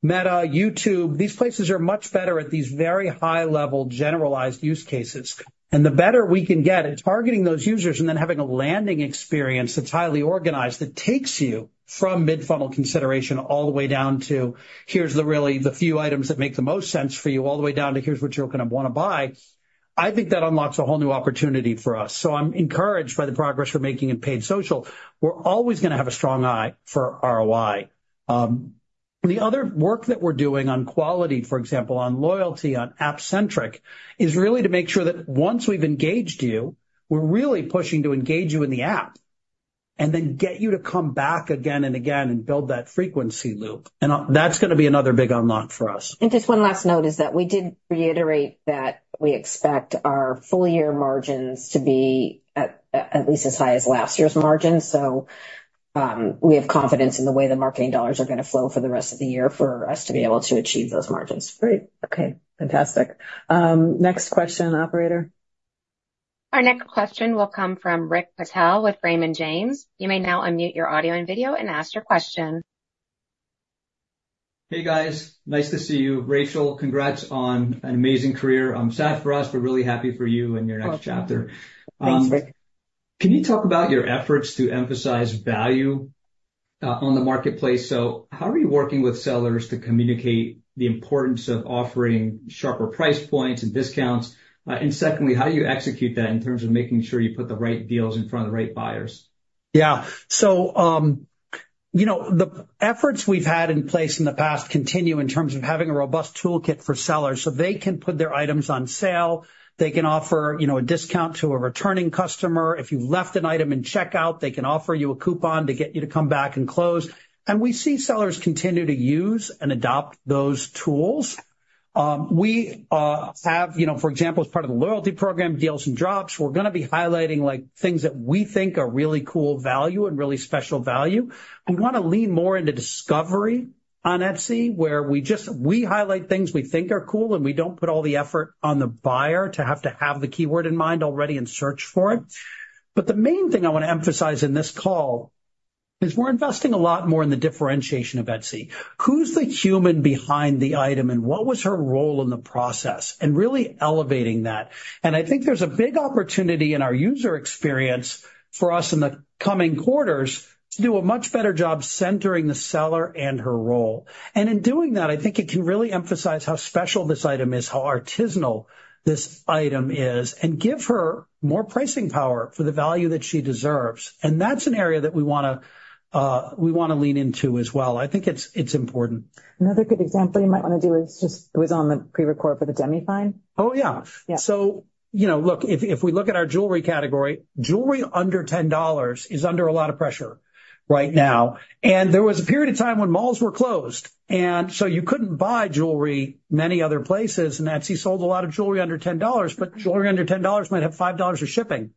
Meta, YouTube, these places are much better at these very high-level, generalized use cases. The better we can get at targeting those users and then having a landing experience that's highly organized, that takes you from mid-funnel consideration all the way down to, "Here's the really, the few items that make the most sense for you," all the way down to, "Here's what you're going to want to buy," I think that unlocks a whole new opportunity for us. So I'm encouraged by the progress we're making in paid social. We're always going to have a strong eye for ROI. The other work that we're doing on quality, for example, on loyalty, on app-centric, is really to make sure that once we've engaged you, we're really pushing to engage you in the app and then get you to come back again and again and build that frequency loop, and that's going to be another big unlock for us. Just one last note is that we did reiterate that we expect our full-year margins to be at least as high as last year's margins. So, we have confidence in the way the marketing dollars are going to flow for the rest of the year for us to be able to achieve those margins. Great. Okay, fantastic. Next question, operator. Our next question will come from Rick Patel with Raymond James. You may now unmute your audio and video and ask your question. Hey, guys, nice to see you. Rachel, congrats on an amazing career. I'm sad for us, but really happy for you and your next chapter. Thanks, Rick. Can you talk about your efforts to emphasize value on the marketplace? How are you working with sellers to communicate the importance of offering sharper price points and discounts? And secondly, how do you execute that in terms of making sure you put the right deals in front of the right buyers? Yeah. So, you know, the efforts we've had in place in the past continue in terms of having a robust toolkit for sellers, so they can put their items on sale. They can offer, you know, a discount to a returning customer. If you've left an item in checkout, they can offer you a coupon to get you to come back and close. And we see sellers continue to use and adopt those tools. We have, you know, for example, as part of the loyalty program, Deals and Drops, we're going to be highlighting, like, things that we think are really cool value and really special value. We want to lean more into discovery on Etsy, where we just highlight things we think are cool, and we don't put all the effort on the buyer to have to have the keyword in mind already and search for it. But the main thing I want to emphasize in this call is we're investing a lot more in the differentiation of Etsy. Who's the human behind the item, and what was her role in the process? And really elevating that. And I think there's a big opportunity in our user experience for us in the coming quarters to do a much better job centering the seller and her role. And in doing that, I think it can really emphasize how special this item is, how artisanal this item is, and give her more pricing power for the value that she deserves. That's an area that we want to lean into as well. I think it's important. Another good example you might want to do is just it was on the prerecord for the demi-fine. Oh, yeah. Yeah. So, you know, look, if we look at our jewelry category, jewelry under $10 is under a lot of pressure right now. There was a period of time when malls were closed, and so you couldn't buy jewelry many other places, and Etsy sold a lot of jewelry under $10. But jewelry under $10 might have $5 of shipping.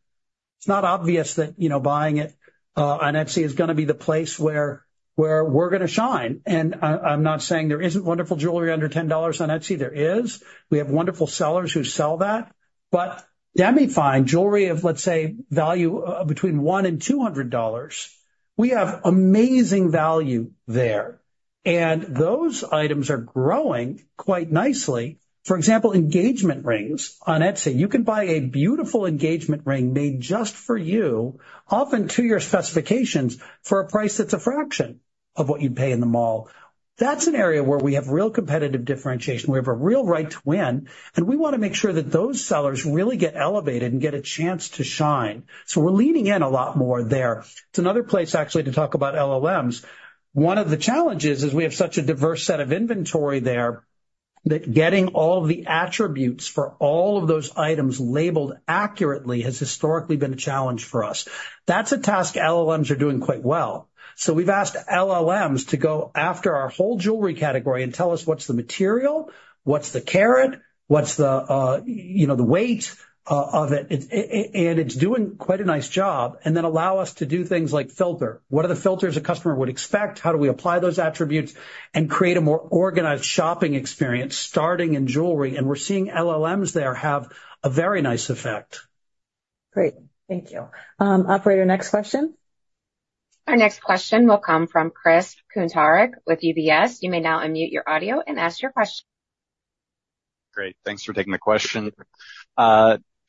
It's not obvious that, you know, buying it on Etsy is going to be the place where we're going to shine. And I'm not saying there isn't wonderful jewelry under $10 on Etsy, there is. We have wonderful sellers who sell that, but demi-fine jewelry of, let's say, value between $100 and $200, we have amazing value there, and those items are growing quite nicely. For example, engagement rings on Etsy, you can buy a beautiful engagement ring made just for you, often to your specifications, for a price that's a fraction of what you'd pay in the mall. That's an area where we have real competitive differentiation. We have a real right to win, and we want to make sure that those sellers really get elevated and get a chance to shine. So we're leaning in a lot more there. It's another place, actually, to talk about LLMs. One of the challenges is we have such a diverse set of inventory there, that getting all the attributes for all of those items labeled accurately has historically been a challenge for us. That's a task LLMs are doing quite well. So we've asked LLMs to go after our whole jewelry category and tell us what's the material, what's the carat, what's the, you know, the weight, of it, and it's doing quite a nice job, and then allow us to do things like filter. What are the filters a customer would expect? How do we apply those attributes and create a more organized shopping experience, starting in jewelry? And we're seeing LLMs there have a very nice effect. Great. Thank you. Operator, next question. Our next question will come from Chris Kuntarich with UBS. You may now unmute your audio and ask your question. Great, thanks for taking the question.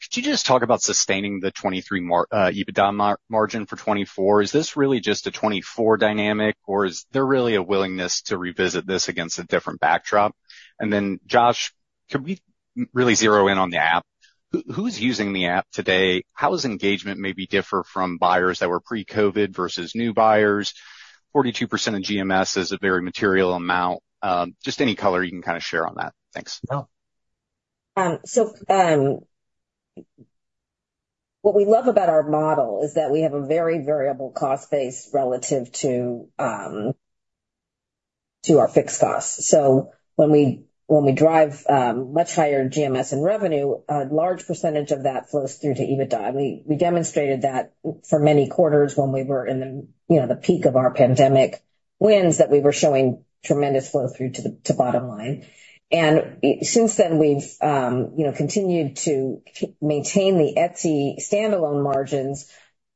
Could you just talk about sustaining the '23 EBITDA margin for 2024? Is this really just a 2024 dynamic, or is there really a willingness to revisit this against a different backdrop? And then, Josh, can we really zero in on the app? Who's using the app today? How does engagement maybe differ from buyers that were pre-COVID versus new buyers? 42% of GMS is a very material amount. Just any color you can kind of share on that. Thanks. Well... So, What we love about our model is that we have a very variable cost base relative to our fixed costs. So when we drive much higher GMS and revenue, a large percentage of that flows through to EBITDA. And we demonstrated that for many quarters when we were in the, you know, the peak of our pandemic wins, that we were showing tremendous flow through to the bottom line. And since then, we've, you know, continued to maintain the Etsy standalone margins.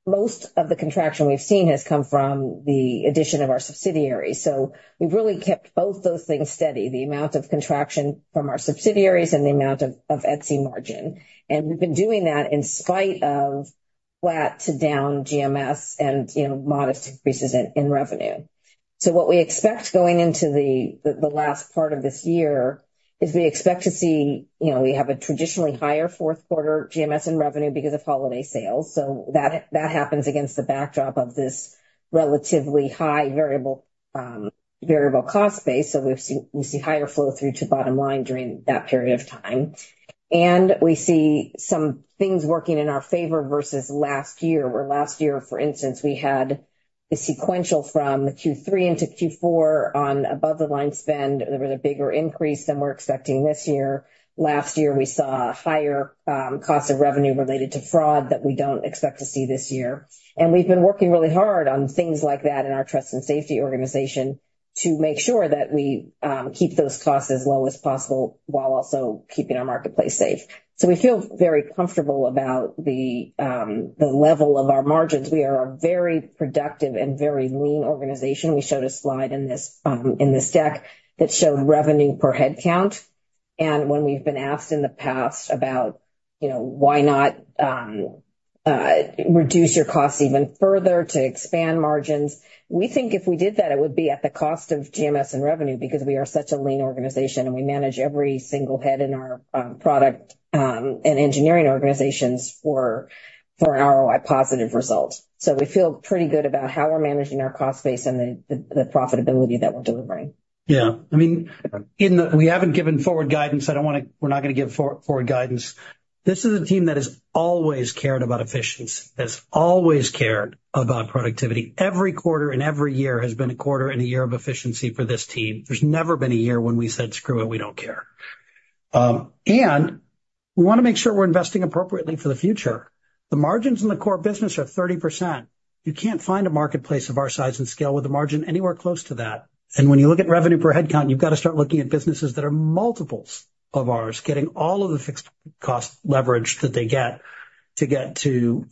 Most of the contraction we've seen has come from the addition of our subsidiaries. So we've really kept both those things steady, the amount of contraction from our subsidiaries and the amount of Etsy margin. And we've been doing that in spite of flat to down GMS and, you know, modest increases in revenue. So what we expect going into the last part of this year is we expect to see, you know, we have a traditionally higher fourth quarter GMS in revenue because of holiday sales. So that happens against the backdrop of this relatively high variable cost base. So we've seen, we see higher flow through to bottom line during that period of time, and we see some things working in our favor versus last year, where last year, for instance, we had the sequential from Q3 into Q4 on above-the-line spend. There was a bigger increase than we're expecting this year. Last year, we saw higher costs of revenue related to fraud that we don't expect to see this year. We've been working really hard on things like that in our trust and safety organization to make sure that we keep those costs as low as possible while also keeping our marketplace safe. So we feel very comfortable about the level of our margins. We are a very productive and very lean organization. We showed a slide in this deck that showed revenue per headcount. When we've been asked in the past about, you know, why not reduce your costs even further to expand margins, we think if we did that, it would be at the cost of GMS and revenue, because we are such a lean organization, and we manage every single head in our product and engineering organizations for an ROI positive result. So we feel pretty good about how we're managing our cost base and the profitability that we're delivering. Yeah. I mean, we haven't given forward guidance. I don't want to. We're not going to give forward guidance. This is a team that has always cared about efficiency, has always cared about productivity. Every quarter and every year has been a quarter and a year of efficiency for this team. There's never been a year when we said, "Screw it, we don't care." And we want to make sure we're investing appropriately for the future. The margins in the core business are 30%. You can't find a marketplace of our size and scale with a margin anywhere close to that. And when you look at revenue per headcount, you've got to start looking at businesses that are multiples of ours, getting all of the fixed cost leverage that they get to get to,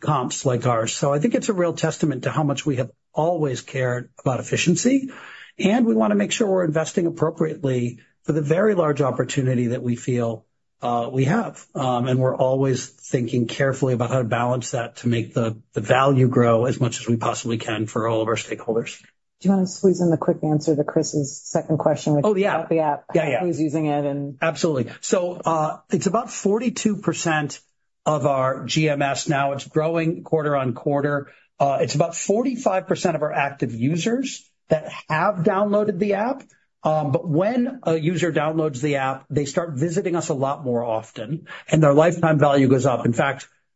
comps like ours. So I think it's a real testament to how much we have always cared about efficiency, and we want to make sure we're investing appropriately for the very large opportunity that we feel we have. And we're always thinking carefully about how to balance that to make the value grow as much as we possibly can for all of our stakeholders. Do you want to squeeze in the quick answer to Chris's second question, which- Oh, yeah. About the app? Yeah, yeah. Who's using it, and... Absolutely. So, it's about 42% of our GMS now. It's growing quarter-over-quarter. It's about 45% of our active users that have downloaded the app. But when a user downloads the app, they start visiting us a lot more often, and their lifetime value goes up. In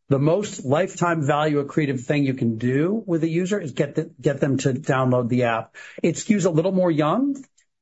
fact, the most lifetime value accretive thing you can do with a user is get them to download the app. It skews a little more young,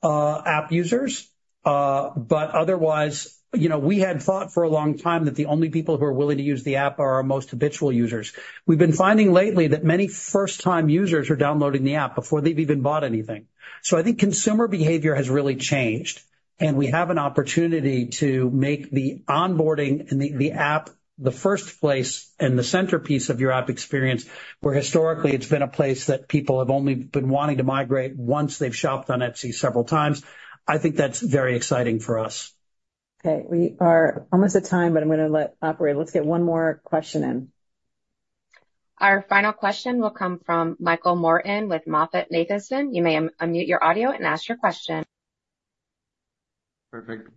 app users, but otherwise, you know, we had thought for a long time that the only people who are willing to use the app are our most habitual users. We've been finding lately that many first-time users are downloading the app before they've even bought anything. So I think consumer behavior has really changed, and we have an opportunity to make the onboarding and the app the first place and the centerpiece of your app experience, where historically it's been a place that people have only been wanting to migrate once they've shopped on Etsy several times. I think that's very exciting for us. Okay, we are almost at time, but I'm going to let the operator. Let's get one more question in. Our final question will come from Michael Morton with MoffettNathanson. You may unmute your audio and ask your question. Perfect.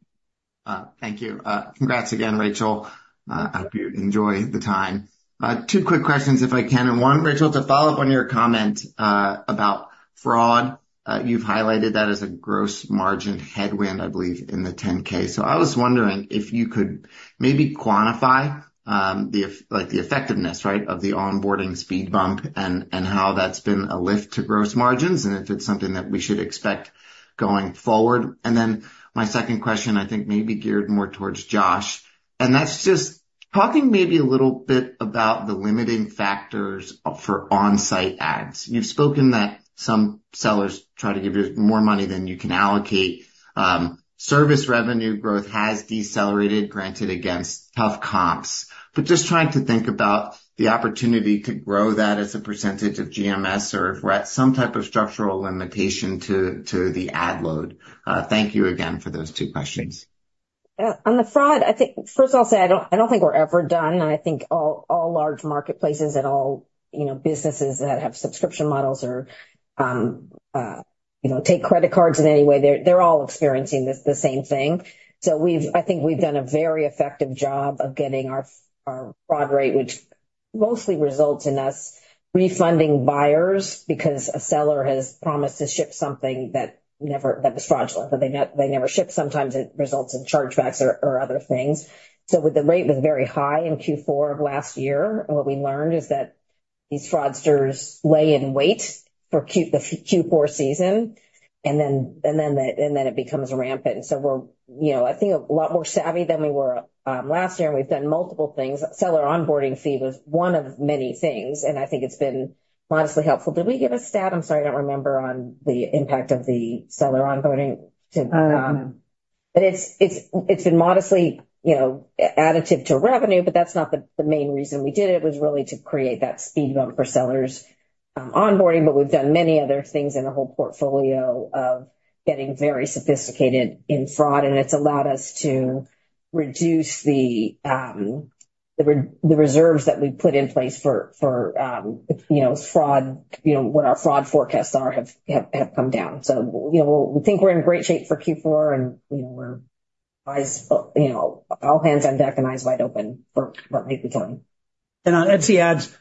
Thank you. Congrats again, Rachel. I hope you enjoy the time. Two quick questions, if I can, and one, Rachel, to follow up on your comment about fraud. You've highlighted that as a gross margin headwind, I believe, in the 10-K. So I was wondering if you could maybe quantify like, the effectiveness, right, of the onboarding speed bump and how that's been a lift to gross margins and if it's something that we should expect going forward. And then my second question, I think, may be geared more towards Josh, and that's just talking maybe a little bit about the limiting factors for on-site ads. You've spoken that some sellers try to give you more money than you can allocate. Service revenue growth has decelerated, granted, against tough comps, but just trying to think about the opportunity to grow that as a percentage of GMS, or if we're at some type of structural limitation to the ad load. Thank you again for those two questions. Yeah. On the fraud, I think, first of all, I'll say I don't think we're ever done, and I think all large marketplaces and all, you know, businesses that have subscription models or, you know, take credit cards in any way, they're all experiencing the same thing. So we've, I think we've done a very effective job of getting our fraud rate, which mostly results in us refunding buyers because a seller has promised to ship something that was fraudulent, but they never ship. Sometimes it results in chargebacks or other things. So the rate was very high in Q4 of last year. What we learned is that these fraudsters lay in wait for the Q4 season, and then it becomes rampant. So we're, you know, I think, a lot more savvy than we were last year, and we've done multiple things. Seller onboarding fee was one of many things, and I think it's been modestly helpful. Did we give a stat? I'm sorry, I don't remember, on the impact of the seller onboarding to- I don't know. But it's been modestly, you know, additive to revenue, but that's not the main reason we did it. It was really to create that speed bump for sellers onboarding. But we've done many other things in a whole portfolio of getting very sophisticated in fraud, and it's allowed us to reduce the reserves that we put in place for fraud. You know, what our fraud forecasts are have come down. So, you know, we think we're in great shape for Q4, and you know, all hands on deck and eyes wide open for what may be coming. On Etsy Ads,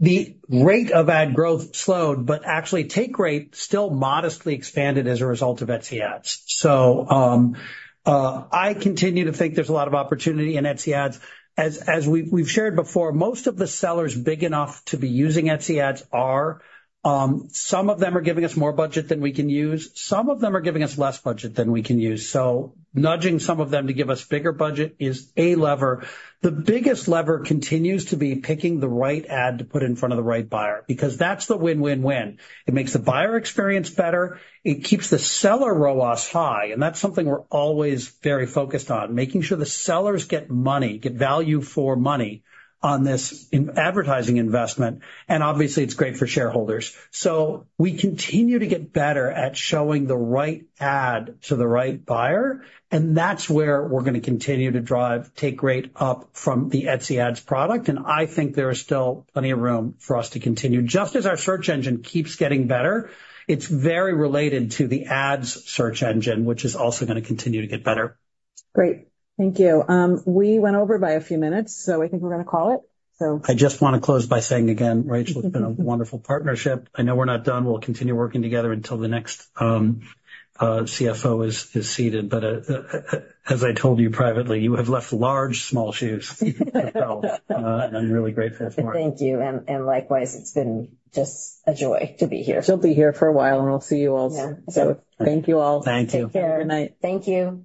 the rate of ad growth slowed, but actually, take rate still modestly expanded as a result of Etsy Ads. I continue to think there's a lot of opportunity in Etsy Ads. As we've shared before, most of the sellers big enough to be using Etsy Ads are, some of them are giving us more budget than we can use. Some of them are giving us less budget than we can use. Nudging some of them to give us bigger budget is a lever. The biggest lever continues to be picking the right ad to put in front of the right buyer, because that's the win, win, win. It makes the buyer experience better, it keeps the seller ROAS high, and that's something we're always very focused on, making sure the sellers get money, get value for money on this in-advertising investment. And obviously, it's great for shareholders. So we continue to get better at showing the right ad to the right buyer, and that's where we're gonna continue to drive take rate up from the Etsy Ads product. And I think there is still plenty of room for us to continue. Just as our search engine keeps getting better, it's very related to the ads search engine, which is also gonna continue to get better. Great. Thank you. We went over by a few minutes, so I think we're gonna call it, so. I just want to close by saying again, Rachel, it's been a wonderful partnership. I know we're not done. We'll continue working together until the next CFO is seated. But, as I told you privately, you have left large, small shoes to fill, and I'm really grateful for it. Thank you, and likewise, it's been just a joy to be here. She'll be here for a while, and I'll see you all. Yeah. Thank you all. Thank you. Take care. Good night. Thank you.